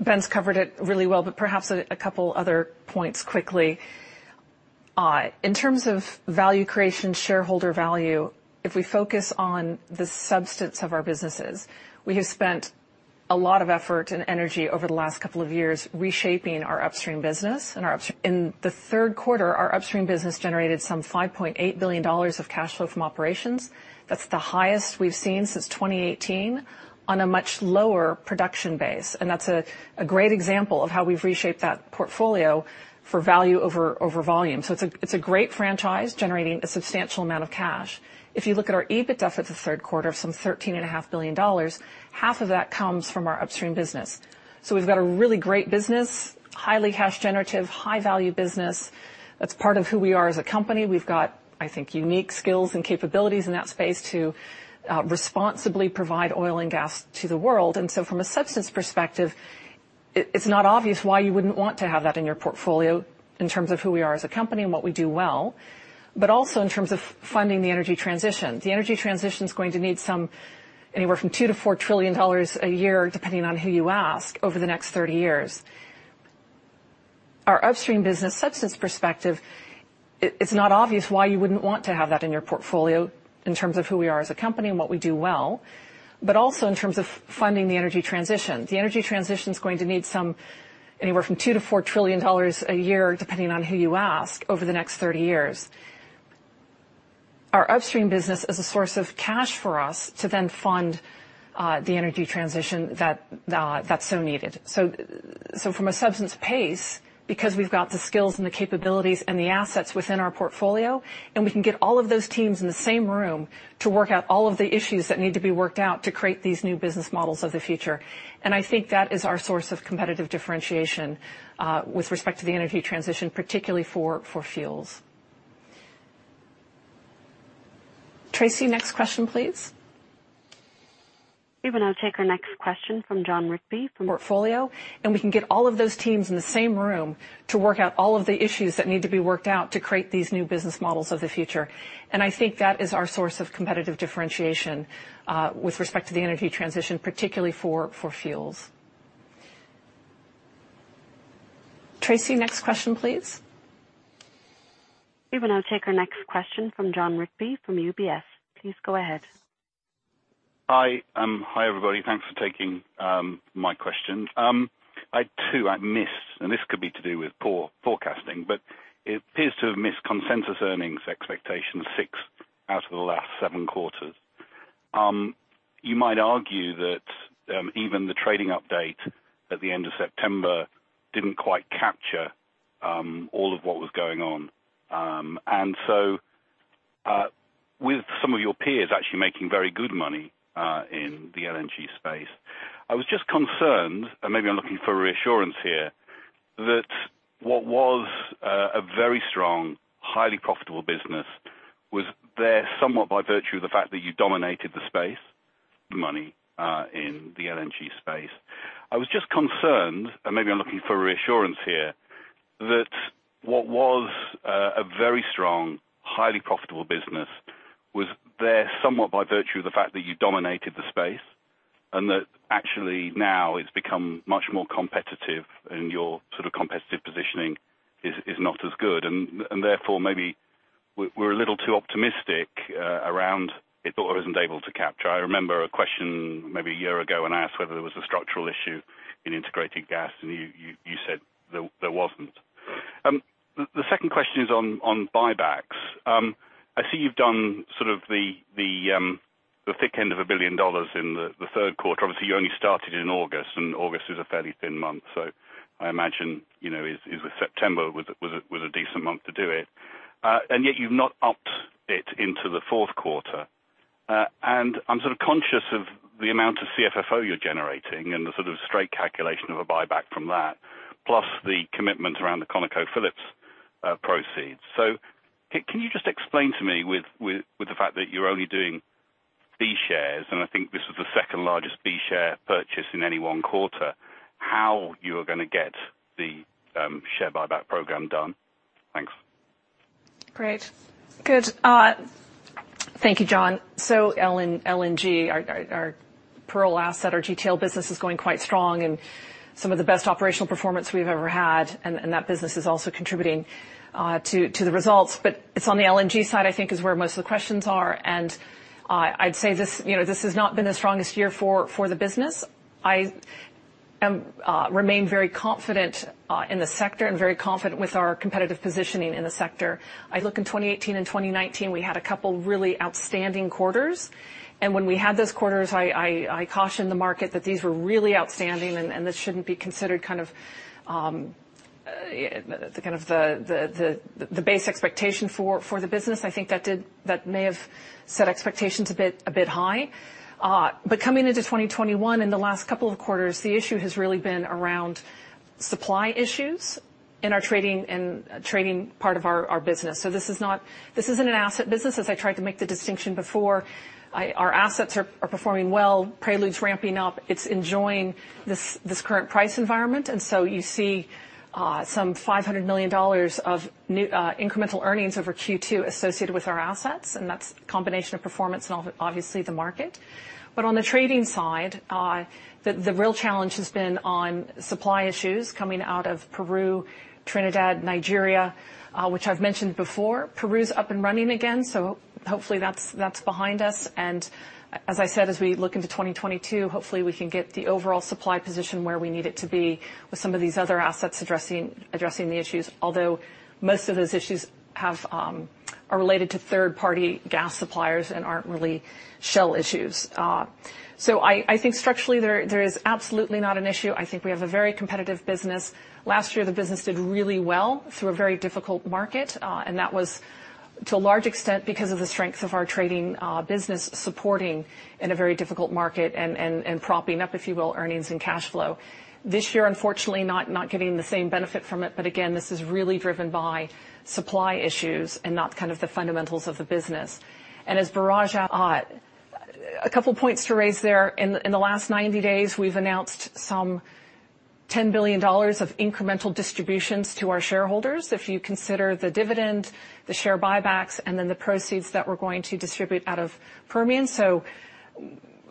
Ben's covered it really well, but perhaps a couple other points quickly. In terms of value creation, shareholder value, if we focus on the substance of our businesses, we have spent a lot of effort and energy over the last couple of years reshaping our upstream business. In the third quarter, our upstream business generated some $5.8 billion of cash flow from operations. That's the highest we've seen since 2018 on a much lower production base. That's a great example of how we've reshaped that portfolio for value over volume. It's a great franchise generating a substantial amount of cash. If you look at our EBITDA for the third quarter of some $13.5 billion, half of that comes from our upstream business. We've got a really great business, highly cash generative, high value business. That's part of who we are as a company. We've got, I think, unique skills and capabilities in that space to responsibly provide oil and gas to the world. From a substance perspective, it's not obvious why you wouldn't want to have that in your portfolio in terms of who we are as a company and what we do well, but also in terms of funding the energy transition. The energy transition is going to need anywhere from $2 trillion-$4 trillion a year, depending on who you ask, over the next 30 years. Our upstream business is a source of cash for us to then fund the energy transition that's so needed. From a substantive space, because we've got the skills and the capabilities and the assets within our portfolio, and we can get all of those teams in the same room to work out all of the issues that need to be worked out to create these new business models of the future. I think that is our source of competitive differentiation, with respect to the energy transition, particularly for fuels. Tracy, next question, please. We will now take our next question from Jon Rigby from UBS. Please go ahead. Hi. Hi, everybody. Thanks for taking my question. I missed, and this could be to do with poor forecasting, but it appears to have missed consensus earnings expectations six out of the last seven quarters. You might argue that even the trading update at the end of September didn't quite capture all of what was going on. With some of your peers actually making very good money in the LNG space, I was just concerned, and maybe I'm looking for reassurance here, that what was a very strong, highly profitable business was there somewhat by virtue of the fact that you dominated the space, and that actually now it's become much more competitive and your sort of competitive positioning is not as good. Therefore, maybe we're a little too optimistic. I wasn't able to capture. I remember a question maybe a year ago, and I asked whether there was a structural issue in Integrated Gas, and you said there wasn't. The second question is on buybacks. I see you've done sort of the thick end of $1 billion in the third quarter. Obviously, you only started in August, and August is a fairly thin month. I imagine, you know, September was a decent month to do it. Yet you've not upped it into the fourth quarter. I'm sort of conscious of the amount of CFFO you're generating and the sort of straight calculation of a buyback from that, plus the commitment around the ConocoPhillips proceeds. Can you just explain to me with the fact that you're only doing B shares, and I think this is the second-largest B share purchase in any one quarter, how you are gonna get the share buyback program done? Thanks. Great. Good. Thank you, Jon. LNG, our Pearl asset, our retail business is going quite strong and some of the best operational performance we've ever had, and that business is also contributing to the results. It's on the LNG side, I think, where most of the questions are. I'd say this, you know, this has not been the strongest year for the business. I remain very confident in the sector and very confident with our competitive positioning in the sector. I look in 2018 and 2019, we had a couple really outstanding quarters. When we had those quarters, I cautioned the market that these were really outstanding and this shouldn't be considered kind of the base expectation for the business. I think that may have set expectations a bit high. Coming into 2021 in the last couple of quarters, the issue has really been around supply issues in our trading part of our business. This isn't an asset business, as I tried to make the distinction before. Our assets are performing well. Prelude's ramping up. It's enjoying this current price environment. You see some $500 million of new incremental earnings over Q2 associated with our assets, and that's a combination of performance and obviously the market. On the trading side, the real challenge has been on supply issues coming out of Peru, Trinidad, Nigeria, which I've mentioned before. Peru's up and running again, so hopefully that's behind us. As I said, as we look into 2022, hopefully we can get the overall supply position where we need it to be with some of these other assets addressing the issues. Although most of those issues are related to third-party gas suppliers and aren't really Shell issues. So I think structurally there is absolutely not an issue. I think we have a very competitive business. Last year, the business did really well through a very difficult market, and that was to a large extent because of the strength of our trading business supporting in a very difficult market and propping up, if you will, earnings and cash flow. This year, unfortunately, not getting the same benefit from it. Again, this is really driven by supply issues and not kind of the fundamentals of the business. As Biraj, a couple points to raise there. In the last 90 days, we've announced some $10 billion of incremental distributions to our shareholders if you consider the dividend, the share buybacks, and then the proceeds that we're going to distribute out of Permian.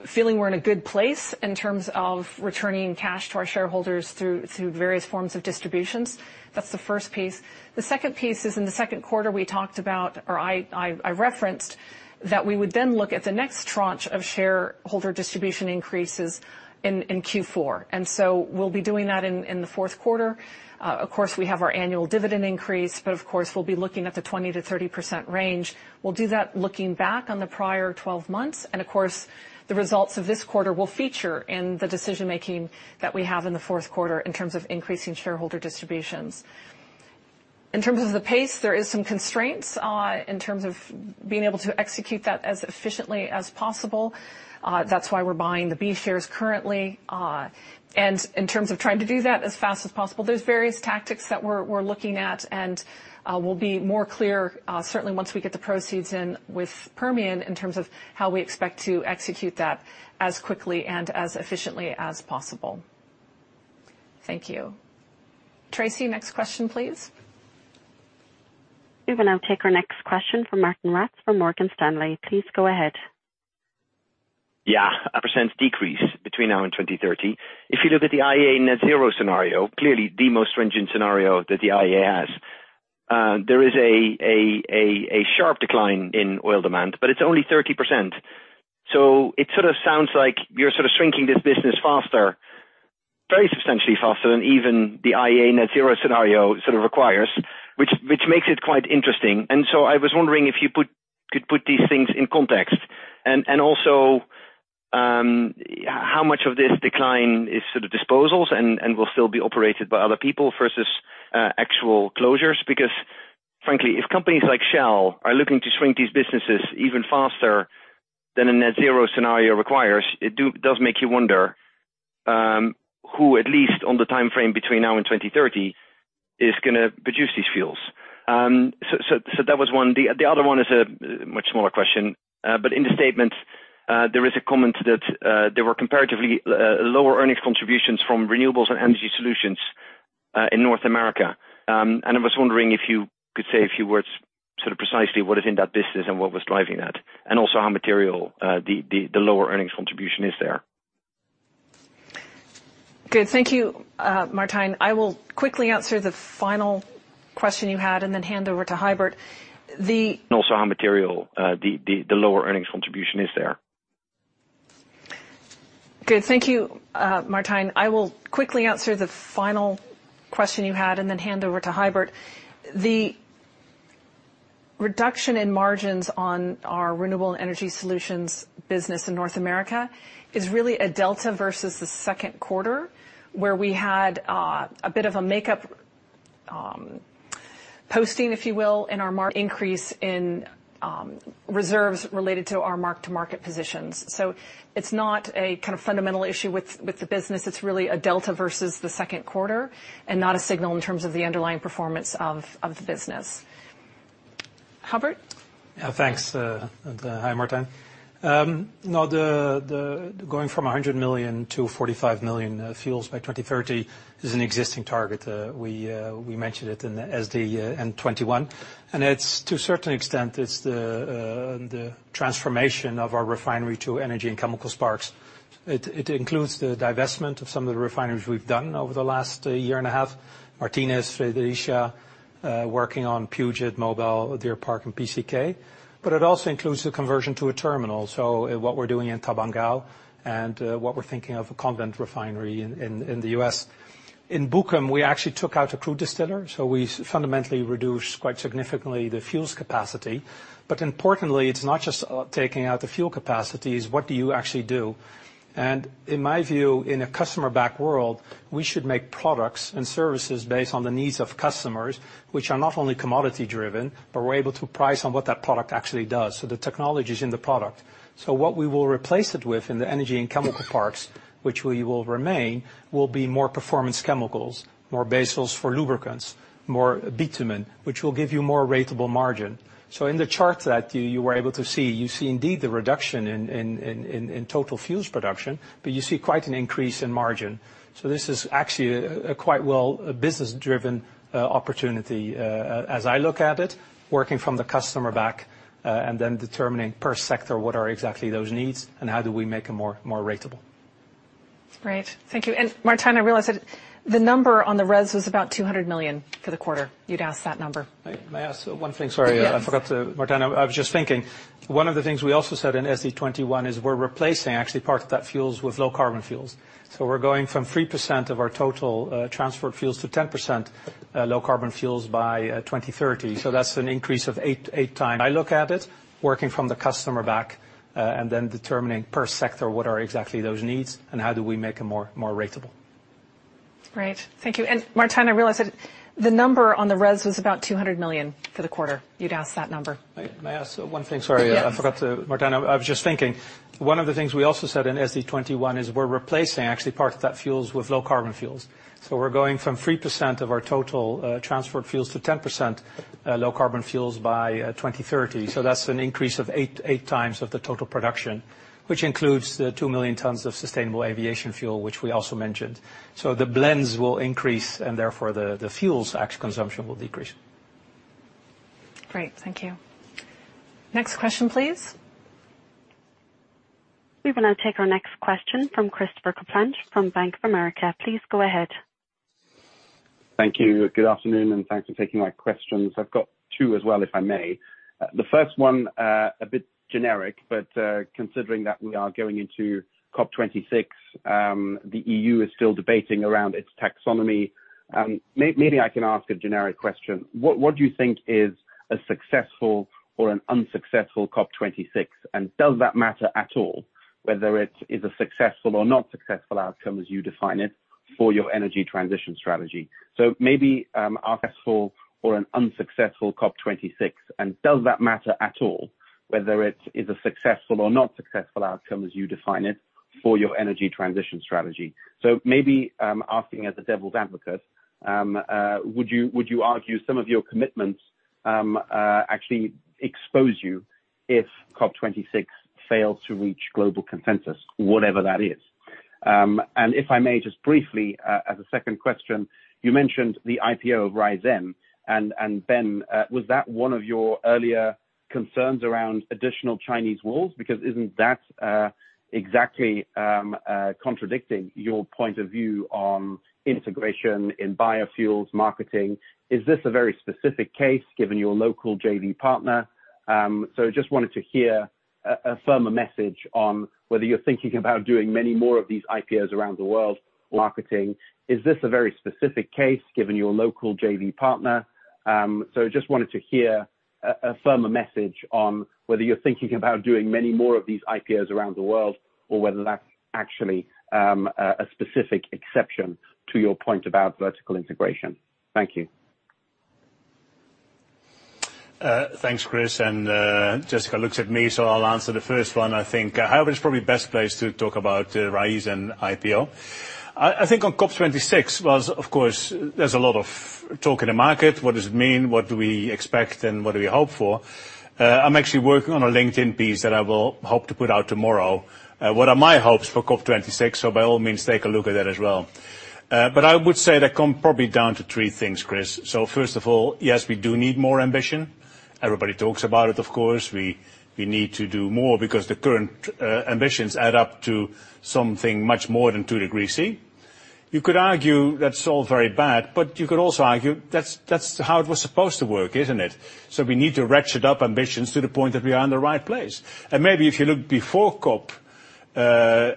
Feeling we're in a good place in terms of returning cash to our shareholders through various forms of distributions. That's the first piece. The second piece is in the second quarter we talked about, or I referenced, that we would then look at the next tranche of shareholder distribution increases in Q4. We'll be doing that in the fourth quarter. Of course, we have our annual dividend increase, but of course we'll be looking at the 20%-30% range. We'll do that looking back on the prior 12 months. Of course, the results of this quarter will feature in the decision-making that we have in the fourth quarter in terms of increasing shareholder distributions. In terms of the pace, there is some constraints in terms of being able to execute that as efficiently as possible. That's why we're buying the B shares currently. In terms of trying to do that as fast as possible, there's various tactics that we're looking at, and we'll be more clear certainly once we get the proceeds in with Permian in terms of how we expect to execute that as quickly and as efficiently as possible. Thank you. Tracy, next question, please. We will now take our next question from Martijn Rats from Morgan Stanley. Please go ahead. Yeah. 30% decrease between now and 2030. If you look at the IEA net zero scenario, clearly the most stringent scenario that the IEA has, there is a sharp decline in oil demand, but it's only 30%. So it sort of sounds like you're sort of shrinking this business faster, very substantially faster than even the IEA net zero scenario sort of requires, which makes it quite interesting. I was wondering if you could put these things in context and also how much of this decline is sort of disposals and will still be operated by other people versus actual closures. Because frankly, if companies like Shell are looking to shrink these businesses even faster than a net zero scenario requires, it does make you wonder who at least on the timeframe between now and 2030 is gonna produce these fuels. That was one. The other one is a much smaller question. In the statement there is a comment that there were comparatively lower earnings contributions from Renewables and Energy Solutions in North America. And I was wondering if you could say a few words sort of precisely what is in that business and what was driving that, and also how material the lower earnings contribution is there. Good. Thank you, Martijn. I will quickly answer the final question you had and then hand over to Huibert. The reduction in margins on our renewable energy solutions business in North America is really a delta versus the second quarter, where we had a bit of a makeup posting, if you will, in our increase in reserves related to our mark-to-market positions. It's not a kind of fundamental issue with the business. It's really a delta versus the second quarter and not a signal in terms of the underlying performance of the business. Huibert? Yeah, thanks. Hi, Martijn. No, the going from 100 million to 45 million barrels a day fuels by 2030 is an existing target. We mentioned it in the SD21. It's to a certain extent, it's the transformation of our refinery to energy and chemical parks. It includes the divestment of some of the refineries we've done over the last year and a half, Martinez, Fredericia, working on Puget, Mobile, Deer Park, and PCK. It also includes the conversion to a terminal. What we're doing in Tabangao and what we're thinking of a Convent refinery in the U.S. In Bukom, we actually took out a crude distiller, so we fundamentally reduced quite significantly the fuels capacity. Importantly, it's not just taking out the fuel capacities, what do you actually do? In my view, in a customer-led world, we should make products and services based on the needs of customers, which are not only commodity-driven, but we're able to price on what that product actually does. The technology's in the product. What we will replace it with in the energy and chemical parks, which we will retain, will be more performance chemicals, more base oils for lubricants, more bitumen, which will give you more ratable margin. In the chart that you were able to see, you see indeed the reduction in total fuels production, but you see quite an increase in margin. This is actually a quite well business-driven opportunity, as I look at it, working from the customer back, and then determining per sector, what are exactly those needs and how do we make them more ratable. Great. Thank you. Martijn, I realize that the number on the RES was about $200 million for the quarter. You'd asked that number. May I ask one thing? Sorry. Martijn, I was just thinking, one of the things we also said in SD21 is we're replacing actually part of that fuels with low carbon fuels. We're going from 3% of our total transport fuels to 10% low carbon fuels by 2030. That's an increase of eight times which includes the 2 million tons of sustainable aviation fuel, which we also mentioned. The blends will increase and therefore the fuel's actual consumption will decrease. I look at it, working from the customer back, and then determining per sector what are exactly those needs, and how do we make them more viable. Great. Thank you. Next question, please. We will now take our next question from Christopher Kuplent from Bank of America. Please go ahead. Thank you. Good afternoon, and thanks for taking my questions. I've got two as well, if I may. The first one, a bit generic, but, considering that we are going into COP26, the EU is still debating around its taxonomy, maybe I can ask a generic question. What do you think is a successful or an unsuccessful COP26, and does that matter at all whether it is a successful or not successful outcome as you define it for your energy transition strategy? Maybe, asking as a devil's advocate, would you argue some of your commitments actually expose you if COP26 fails to reach global consensus, whatever that is? If I may just briefly as a second question, you mentioned the IPO of Raízen, and Ben, was that one of your earlier concerns around additional Chinese walls? Because isn't that exactly contradicting your point of view on integration in biofuels marketing? Is this a very specific case given your local JV partner? Just wanted to hear a firmer message on whether you're thinking about doing many more of these IPOs around the world or whether that's actually a specific exception to your point about vertical integration. Thank you. Thanks, Chris, and Jessica looks at me, so I'll answer the first one, I think. However, it's probably best placed to talk about Raízen IPO. I think on COP 26 was of course there's a lot of talk in the market, what does it mean, what do we expect, and what do we hope for. I'm actually working on a LinkedIn piece that I will hope to put out tomorrow, what are my hopes for COP 26. So by all means, take a look at that as well. But I would say that comes down to three things, Chris. First of all, yes, we do need more ambition. Everybody talks about it, of course. We need to do more because the current ambitions add up to something much more than 2 degrees Celsius. You could argue that's all very bad, but you could also argue that's how it was supposed to work, isn't it? We need to ratchet up ambitions to the point that we are in the right place. Maybe if you look before COP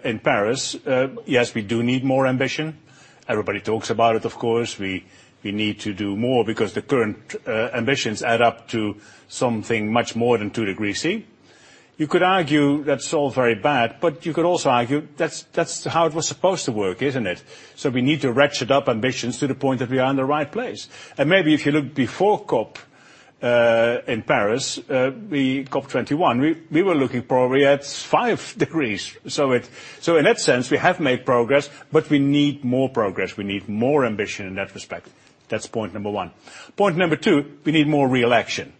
in Paris, yes, we do need more ambition. Everybody talks about it, of course. We need to do more because the current ambitions add up to something much more than 2 degrees Celsius. You could argue that's all very bad, but you could also argue that's how it was supposed to work, isn't it? We need to ratchet up ambitions to the point that we are in the right place. Maybe if you look before COP in Paris, COP21, we were looking probably at 5 degrees Celsius. In that sense, we have made progress, but we need more progress. We need more ambition in that respect. That's point number one. Point number two, we need more real action,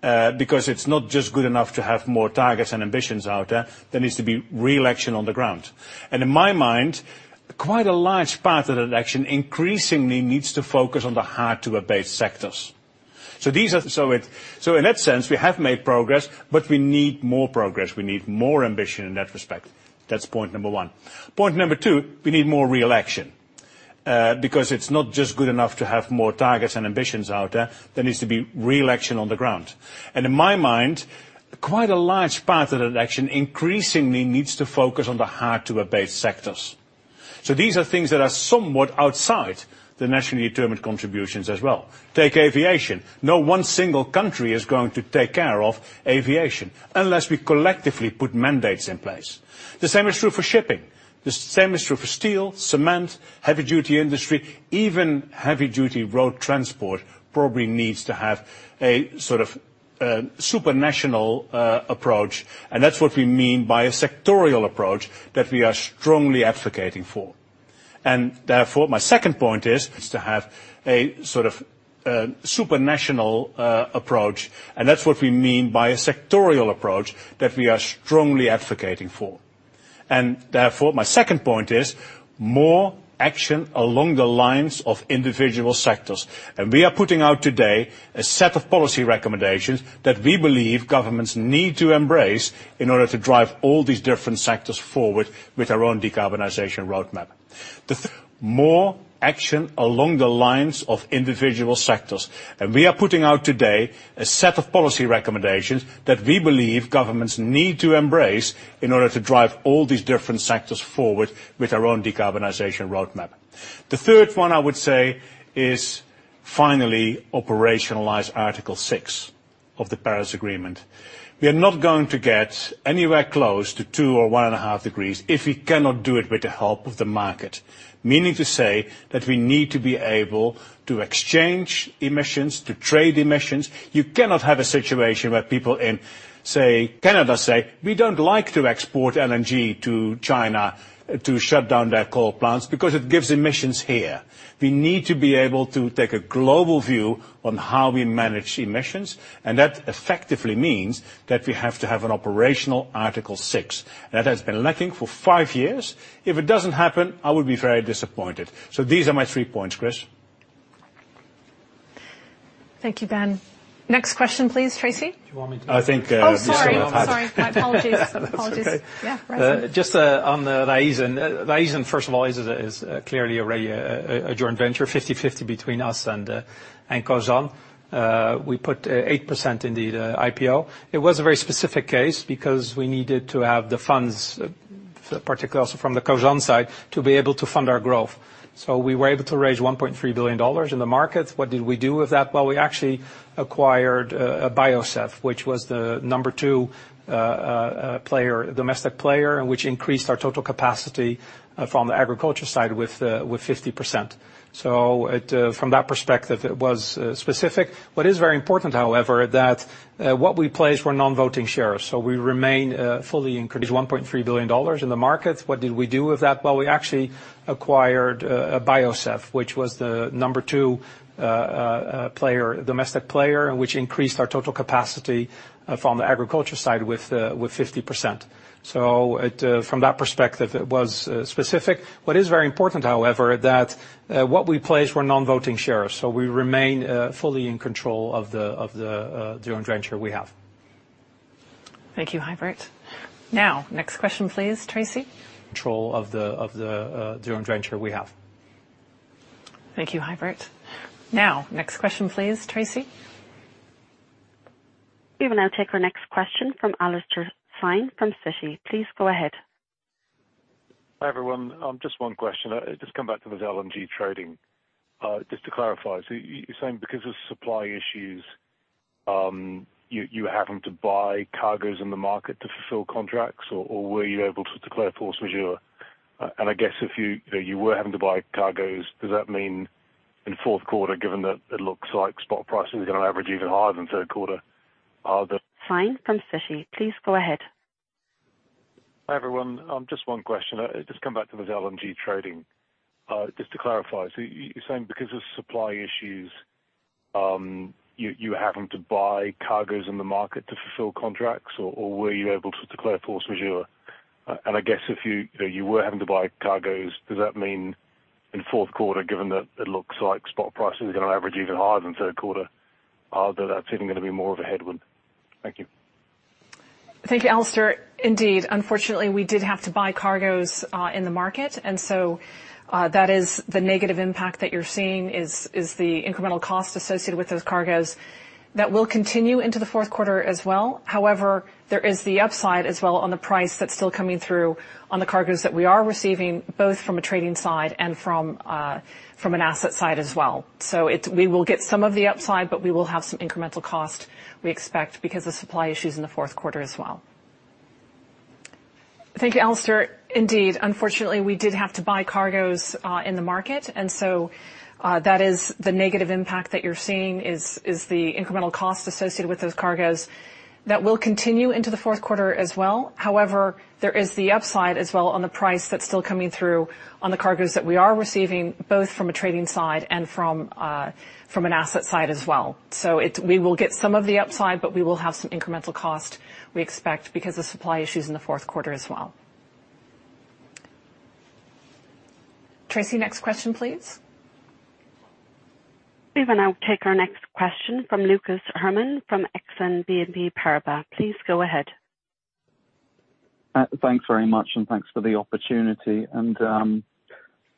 because it's not just good enough to have more targets and ambitions out there. There needs to be real action on the ground. In my mind, quite a large part of that action increasingly needs to focus on the hard-to-abate sectors. In my mind, quite a large part of that action increasingly needs to focus on the hard-to-abate sectors. These are things that are somewhat outside the nationally determined contributions as well. Take aviation. No one single country is going to take care of aviation unless we collectively put mandates in place. The same is true for shipping. The same is true for steel, cement, heavy duty industry, even heavy duty road transport probably needs to have a sort of supranational approach, and that's what we mean by a sectoral approach that we are strongly advocating for. Therefore my second point is more action along the lines of individual sectors. We are putting out today a set of policy recommendations that we believe governments need to embrace in order to drive all these different sectors forward with our own decarbonization roadmap. The third one, I would say, is finally to operationalize Article 6 of the Paris Agreement. We are not going to get anywhere close to 2 degree Celsius or 1.5 degrees Celsius, if we cannot do it with the help of the market. Meaning to say that we need to be able to exchange emissions, to trade emissions. You cannot have a situation where people in, say, Canada, say, "We don't like to export LNG to China to shut down their coal plants because it gives emissions here." We need to be able to take a global view on how we manage emissions, and that effectively means that we have to have an operational Article 6. That has been lacking for five years. If it doesn't happen, I would be very disappointed. These are my three points, Chris. Thank you, Ben. Next question, please, Tracy. Do you want me to- I think, Mr. Huibert- Oh, sorry. My apologies. That's okay. Just on the Raízen. Raízen, first of all, is clearly already a joint venture, 50/50 between us and Cosan. We put 8% in the IPO. It was a very specific case because we needed to have the funds, particularly also from the Cosan side, to be able to fund our growth. We were able to raise $1.3 billion in the market. What did we do with that? Well, we actually acquired Biosev, which was the number two player, domestic player, and which increased our total capacity from the agriculture side with 50%. From that perspective, it was specific. What is very important, however, that what we placed were non-voting shares. We remain fully in control of the joint venture we have. Thank you, Huibert. Now, next question, please, Tracy. We will now take our next question from Alastair Syme from Citi. Please go ahead. Hi, everyone. Just one question. Just come back to this LNG trading. Just to clarify, so you're saying because of supply issues, you happened to buy cargoes in the market to fulfill contracts, or were you able to declare force majeure? I guess if you were having to buy cargoes, does that mean in fourth quarter, given that it looks like spot pricing is gonna average even higher than third quarter, that's even gonna be more of a headwind? Thank you. Thank you, Alastair. Indeed, unfortunately, we did have to buy cargoes in the market, and so that is the negative impact that you're seeing, the incremental cost associated with those cargoes. That will continue into the fourth quarter as well. However, there is the upside as well on the price that's still coming through on the cargoes that we are receiving, both from a trading side and from an asset side as well. We will get some of the upside, but we will have some incremental cost, we expect, because of supply issues in the fourth quarter as well. Tracy, next question, please. We will now take our next question from Lucas Herrmann from Exane BNP Paribas. Please go ahead. Thanks very much, and thanks for the opportunity.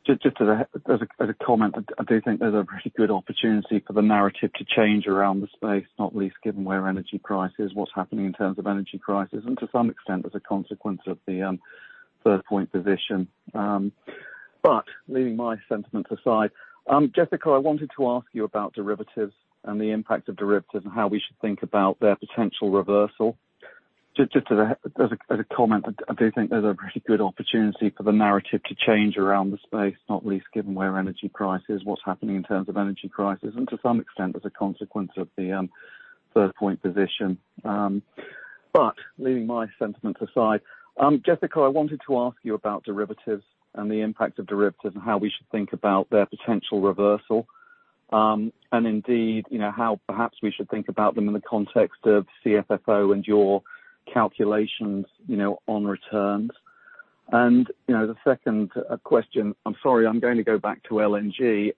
Just as a comment, I do think there's a pretty good opportunity for the narrative to change around the space, not least given where energy prices are, what's happening in terms of energy prices, and to some extent, as a consequence of the Third Point position. Leaving my sentiments aside, Jessica, I wanted to ask you about derivatives and the impact of derivatives and how we should think about their potential reversal. Indeed, you know, how perhaps we should think about them in the context of CFFO and your calculations, you know, on returns. You know, the second question, I'm sorry, I'm going to go back to LNG.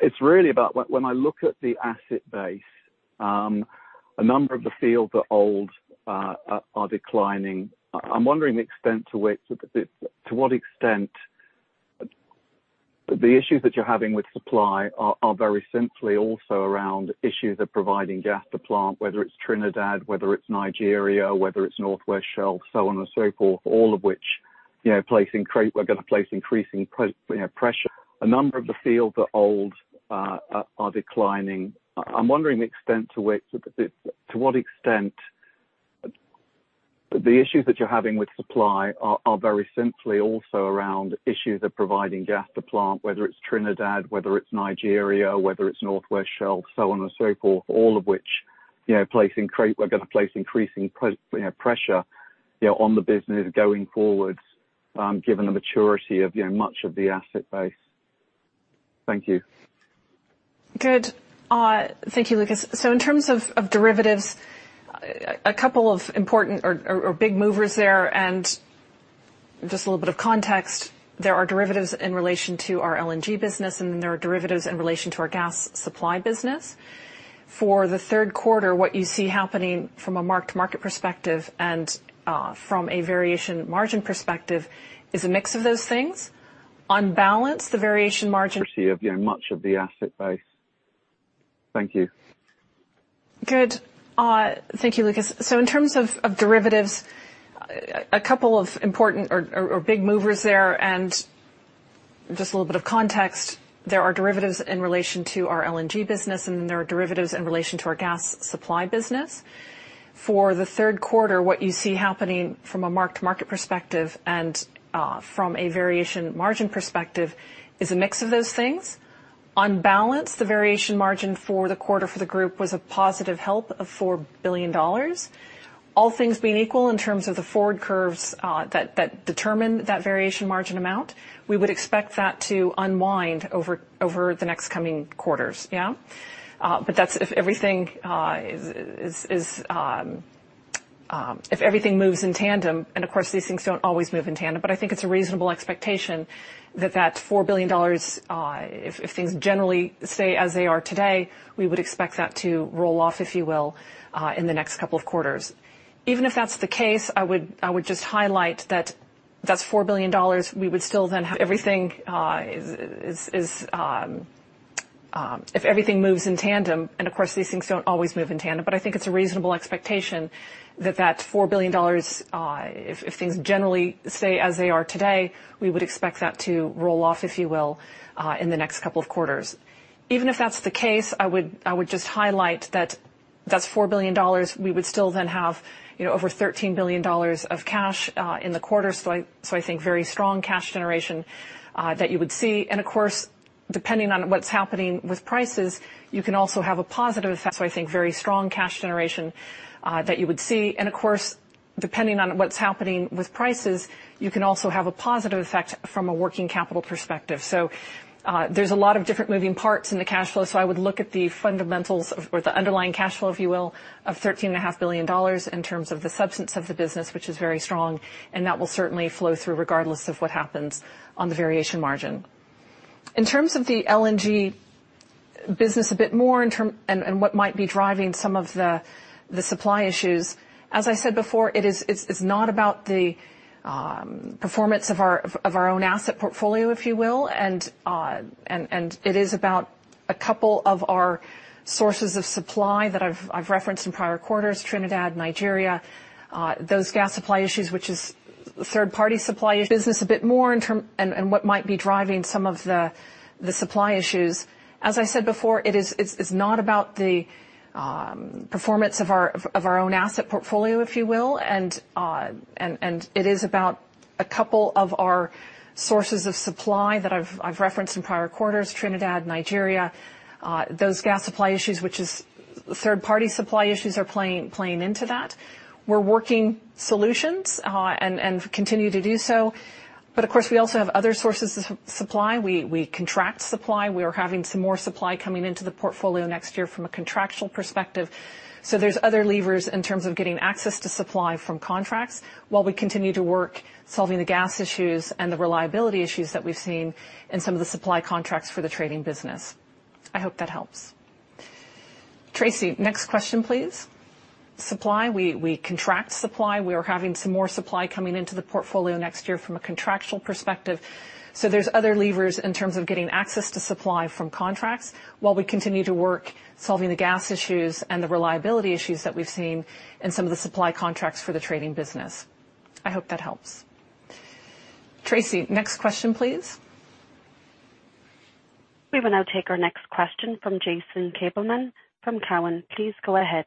It's really about when I look at the asset base, a number of the fields that are old are declining. I'm wondering to what extent the issues that you're having with supply are very simply also around issues of providing gas to plant, whether it's Trinidad, whether it's Nigeria, whether it's Northwest Shelf, so on and so forth, all of which, you know, are gonna place increasing pressure. A number of the fields that are old are declining you know, on the business going forward, given the maturity of, you know, much of the asset base. Thank you. Good. Thank you, Lucas. In terms of derivatives, a couple of important or big movers there. Just a little bit of context, there are derivatives in relation to our LNG business, and then there are derivatives in relation to our gas supply business. For the third quarter, what you see happening from a mark-to-market perspective and from a variation margin perspective is a mix of those things. On balance, the variation margin perspective is a mix of those things. On balance, the variation margin for the quarter for the group was a positive help of $4 billion. All things being equal in terms of the forward curves that determine that variation margin amount, we would expect that to unwind over the next coming quarters. Yeah? That's if everything moves in tandem, and of course, these things don't always move in tandem. I think it's a reasonable expectation that $4 billion, if things generally stay as they are today, we would expect that to roll off, if you will, in the next couple of quarters. Even if that's the case, I would just highlight that that's $4 billion. We would still then have, you know, over $13 billion of cash in the quarter. I think very strong cash generation that you would see. Of course, depending on what's happening with prices, you can also have a positive effect from a working capital perspective. There's a lot of different moving parts in the cash flow, so I would look at the fundamentals or the underlying cash flow, if you will, of $13.5 billion in terms of the substance of the business, which is very strong, and that will certainly flow through regardless of what happens on the variation margin. In terms of the LNG business a bit more and what might be driving some of the supply issues, as I said before, it's not about the performance of our own asset portfolio, if you will, and it is about a couple of our sources of supply that I've referenced in prior quarters, Trinidad, Nigeria, those gas supply issues, which is third-party supply issues which is third-party supply issues are playing into that. We're working solutions and continue to do so. Of course, we also have other sources of supply. We contract supply. We are having some more supply coming into the portfolio next year from a contractual perspective. There's other levers in terms of getting access to supply from contracts while we continue to work solving the gas issues and the reliability issues that we've seen in some of the supply contracts for the trading business. I hope that helps. Tracy, next question, please. We will now take our next question from Jason Gabelman from Cowen. Please go ahead.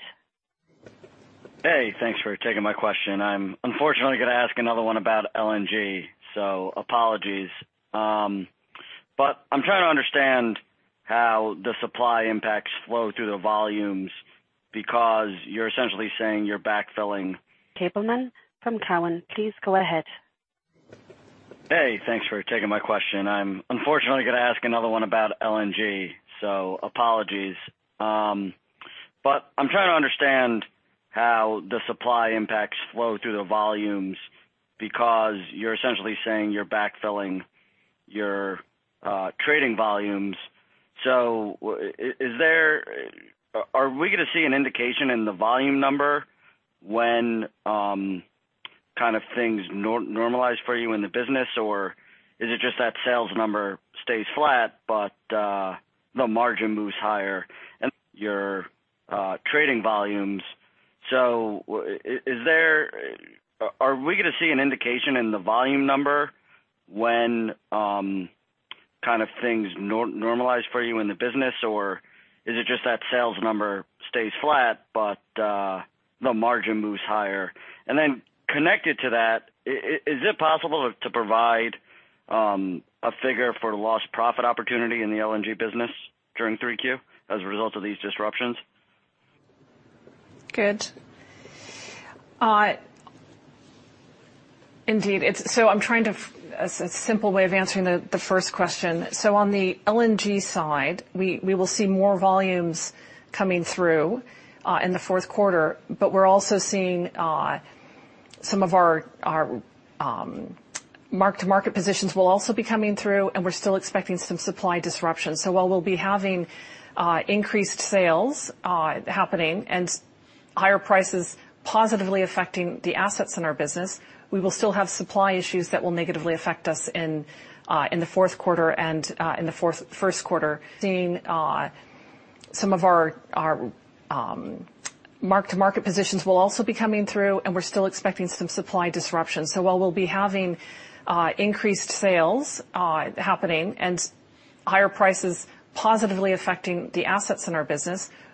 Hey, thanks for taking my question. I'm unfortunately going to ask another one about LNG, so apologies. I'm trying to understand how the supply impacts flow through the volumes because you're essentially saying you're backfilling your trading volumes. Are we going to see an indication in the volume number when things normalize for you in the business, or is it just that sales number stays flat, but the margin moves higher and your trading volumes. Is it possible to provide a figure for lost profit opportunity in the LNG business during Q3 as a result of these disruptions? Good. Indeed. I'm trying to a simple way of answering the first question. On the LNG side, we will see more volumes coming through in the fourth quarter, but we're also seeing some of our mark-to-market positions will also be coming through, and we're still expecting some supply disruptions. While we'll be having increased sales happening and higher prices positively affecting the assets in our business,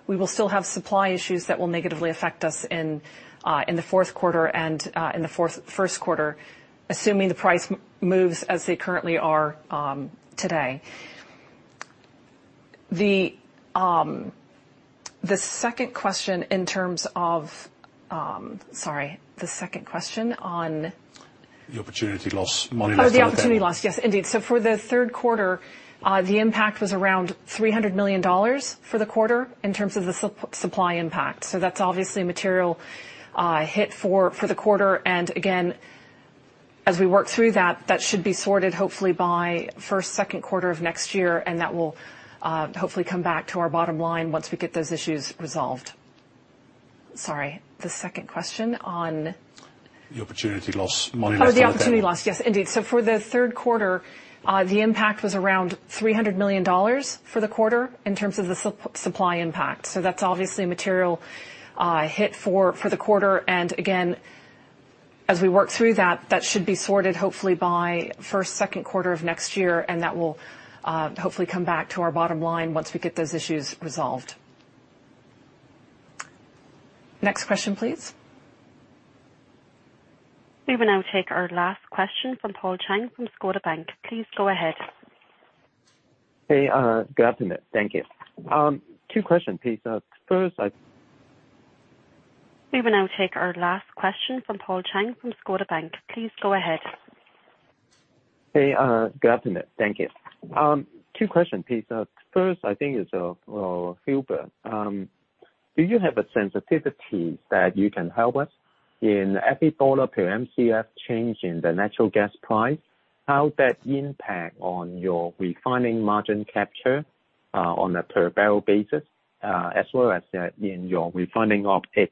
we will still have supply issues that will negatively affect us in the fourth quarter and in the first quarter assuming the price moves as they currently are today. Sorry, the second question on- The opportunity loss, money loss. Oh, the opportunity loss. Yes, indeed. For the third quarter, the impact was around $300 million for the quarter in terms of the supply impact. That's obviously a material hit for the quarter. Again, as we work through that should be sorted hopefully by first, second quarter of next year, and that will hopefully come back to our bottom line once we get those issues resolved. O through that should be sorted hopefully by first, second quarter of next year. Next question, please. We will now take our last question from Paul Cheng from Scotiabank. Please go ahead. Hey, good afternoon. Thank you. Two question piece. First, I think it's for Huibert. Do you have a sensitivity that you can help us in every $1 per Mcf change in the natural gas price? How that impact on your refining margin capture, on a per barrel basis, as well as in your refining OpEx,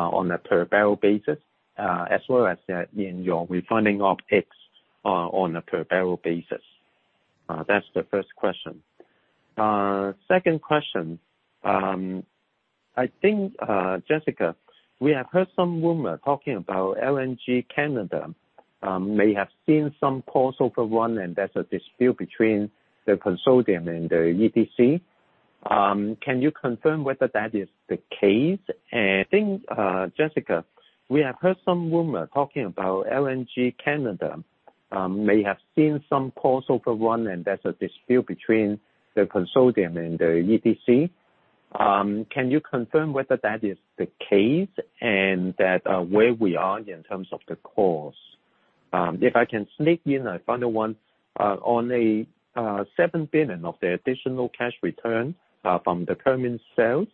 on a per barrel basis? That's the first question. Second question. I think, Jessica, we have heard some rumor talking about LNG Canada may have seen some cost overrun, and there's a dispute between the consortium and the EPC. Can you confirm whether that is the case and where we are in terms of the costs? If I can sneak in a final one, on the $7 billion of the additional cash return from the Permian sales,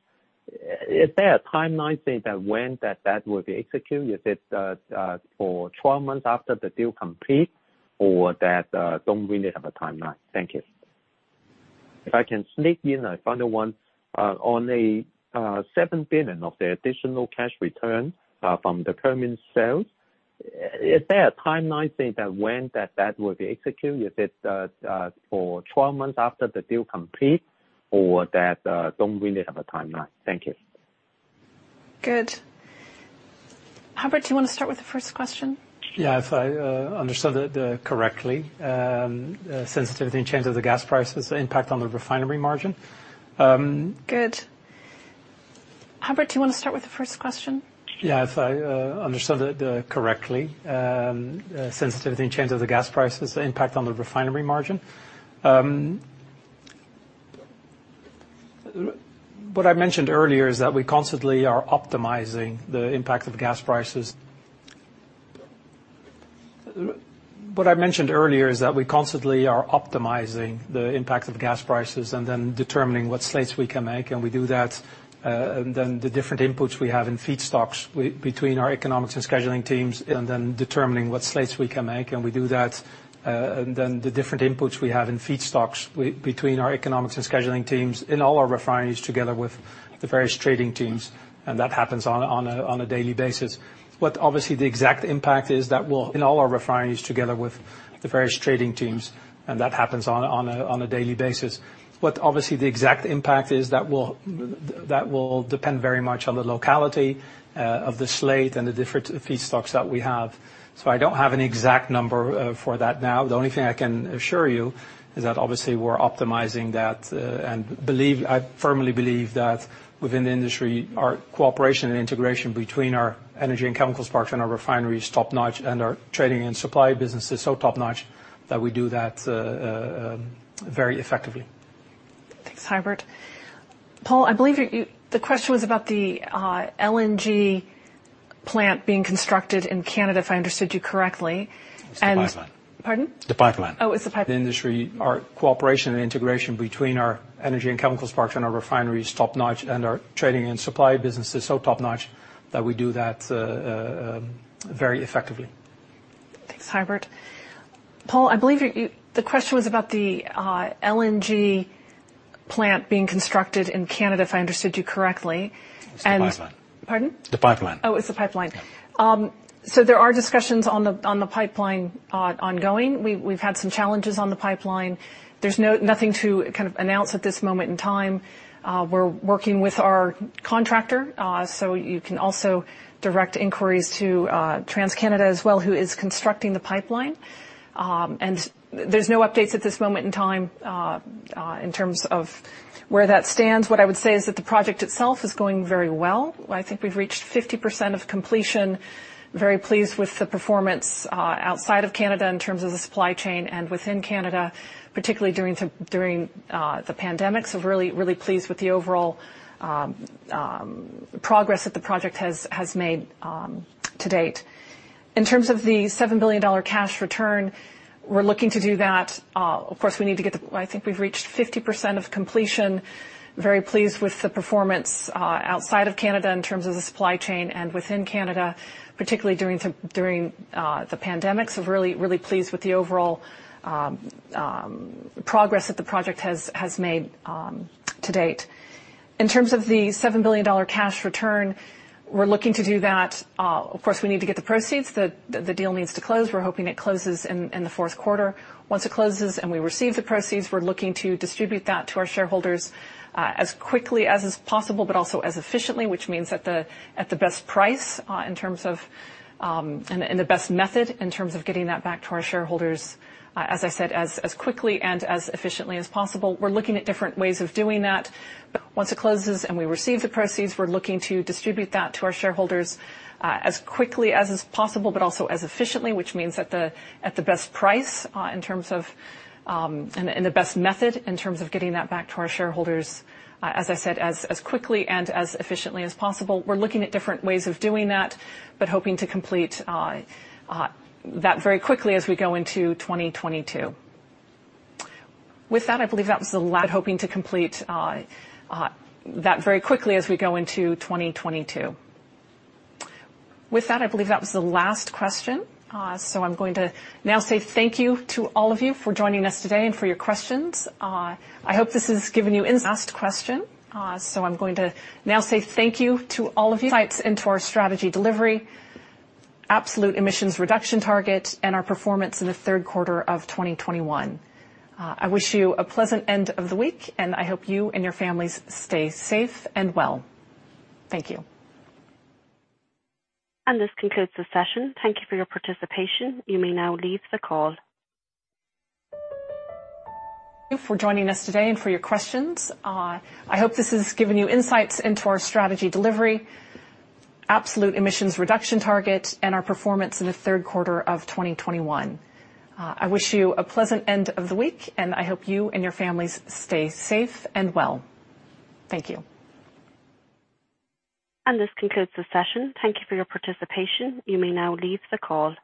is there a timeline saying when that will be executed? Is it for 12 months after the deal complete or don't really have a timeline? Thank you. Good. Huibert, do you wanna start with the first question? Yeah. If I understood that correctly, sensitivity and change of the gas prices impact on the refinery margin. What I mentioned earlier is that we constantly are optimizing the impact of gas prices and then determining what slates we can make. We do that, and then the different inputs we have in feedstocks between our economics and scheduling teams in all our refineries, together with the various trading teams. That happens on a daily basis. What obviously the exact impact is that will. In all our refineries together with the various trading teams, and that happens on a daily basis. What obviously the exact impact is that will depend very much on the locality of the slate and the different feedstocks that we have. So I don't have an exact number for that now. The only thing I can assure you is that obviously we're optimizing that, and I firmly believe that within the industry, our cooperation and integration between our energy and chemical parks and our refineries is top-notch, and our trading and supply business is so top-notch that we do that very effectively. Thanks, Huibert. Paul, I believe you, the question was about the LNG plant being constructed in Canada, if I understood you correctly. It's the pipeline. Pardon? The pipeline. Oh, it's the pipeline. Yeah. There are discussions on the pipeline ongoing. We've had some challenges on the pipeline. There's nothing to kind of announce at this moment in time. We're working with our contractor, so you can also direct inquiries to TC Energy as well, who is constructing the pipeline. There's no updates at this moment in time in terms of where that stands. What I would say is that the project itself is going very well. I think we've reached 50% of completion. Very pleased with the performance outside of Canada in terms of the supply chain and within Canada, particularly during the pandemic. Really pleased with the overall progress that the project has made to date. In terms of the $7 billion cash return, we're looking to do that. Of course, I think we've reached 50% of completion. Very pleased with the performance outside of Canada in terms of the supply chain and within Canada, particularly during the pandemic. Really pleased with the overall progress that the project has made to date. Of course, we need to get the proceeds. The deal needs to close. We're hoping it closes in the fourth quarter. Once it closes and we receive the proceeds, we're looking to distribute that to our shareholders, as quickly as is possible, but also as efficiently, which means at the best price in terms of and the best method in terms of getting that back to our shareholders, as I said, as quickly and as efficiently as possible. We're looking at different ways of doing that. With that, I believe that was the last question. So I'm going to now say thank you to all of you for joining us today and for your questions. I hope this has given you insights into our strategy delivery, absolute emissions reduction target, and our performance in the third quarter of 2021. I wish you a pleasant end of the week, and I hope you and your families stay safe and well. Thank you. This concludes the session. Thank you for your participation. You may now leave the call.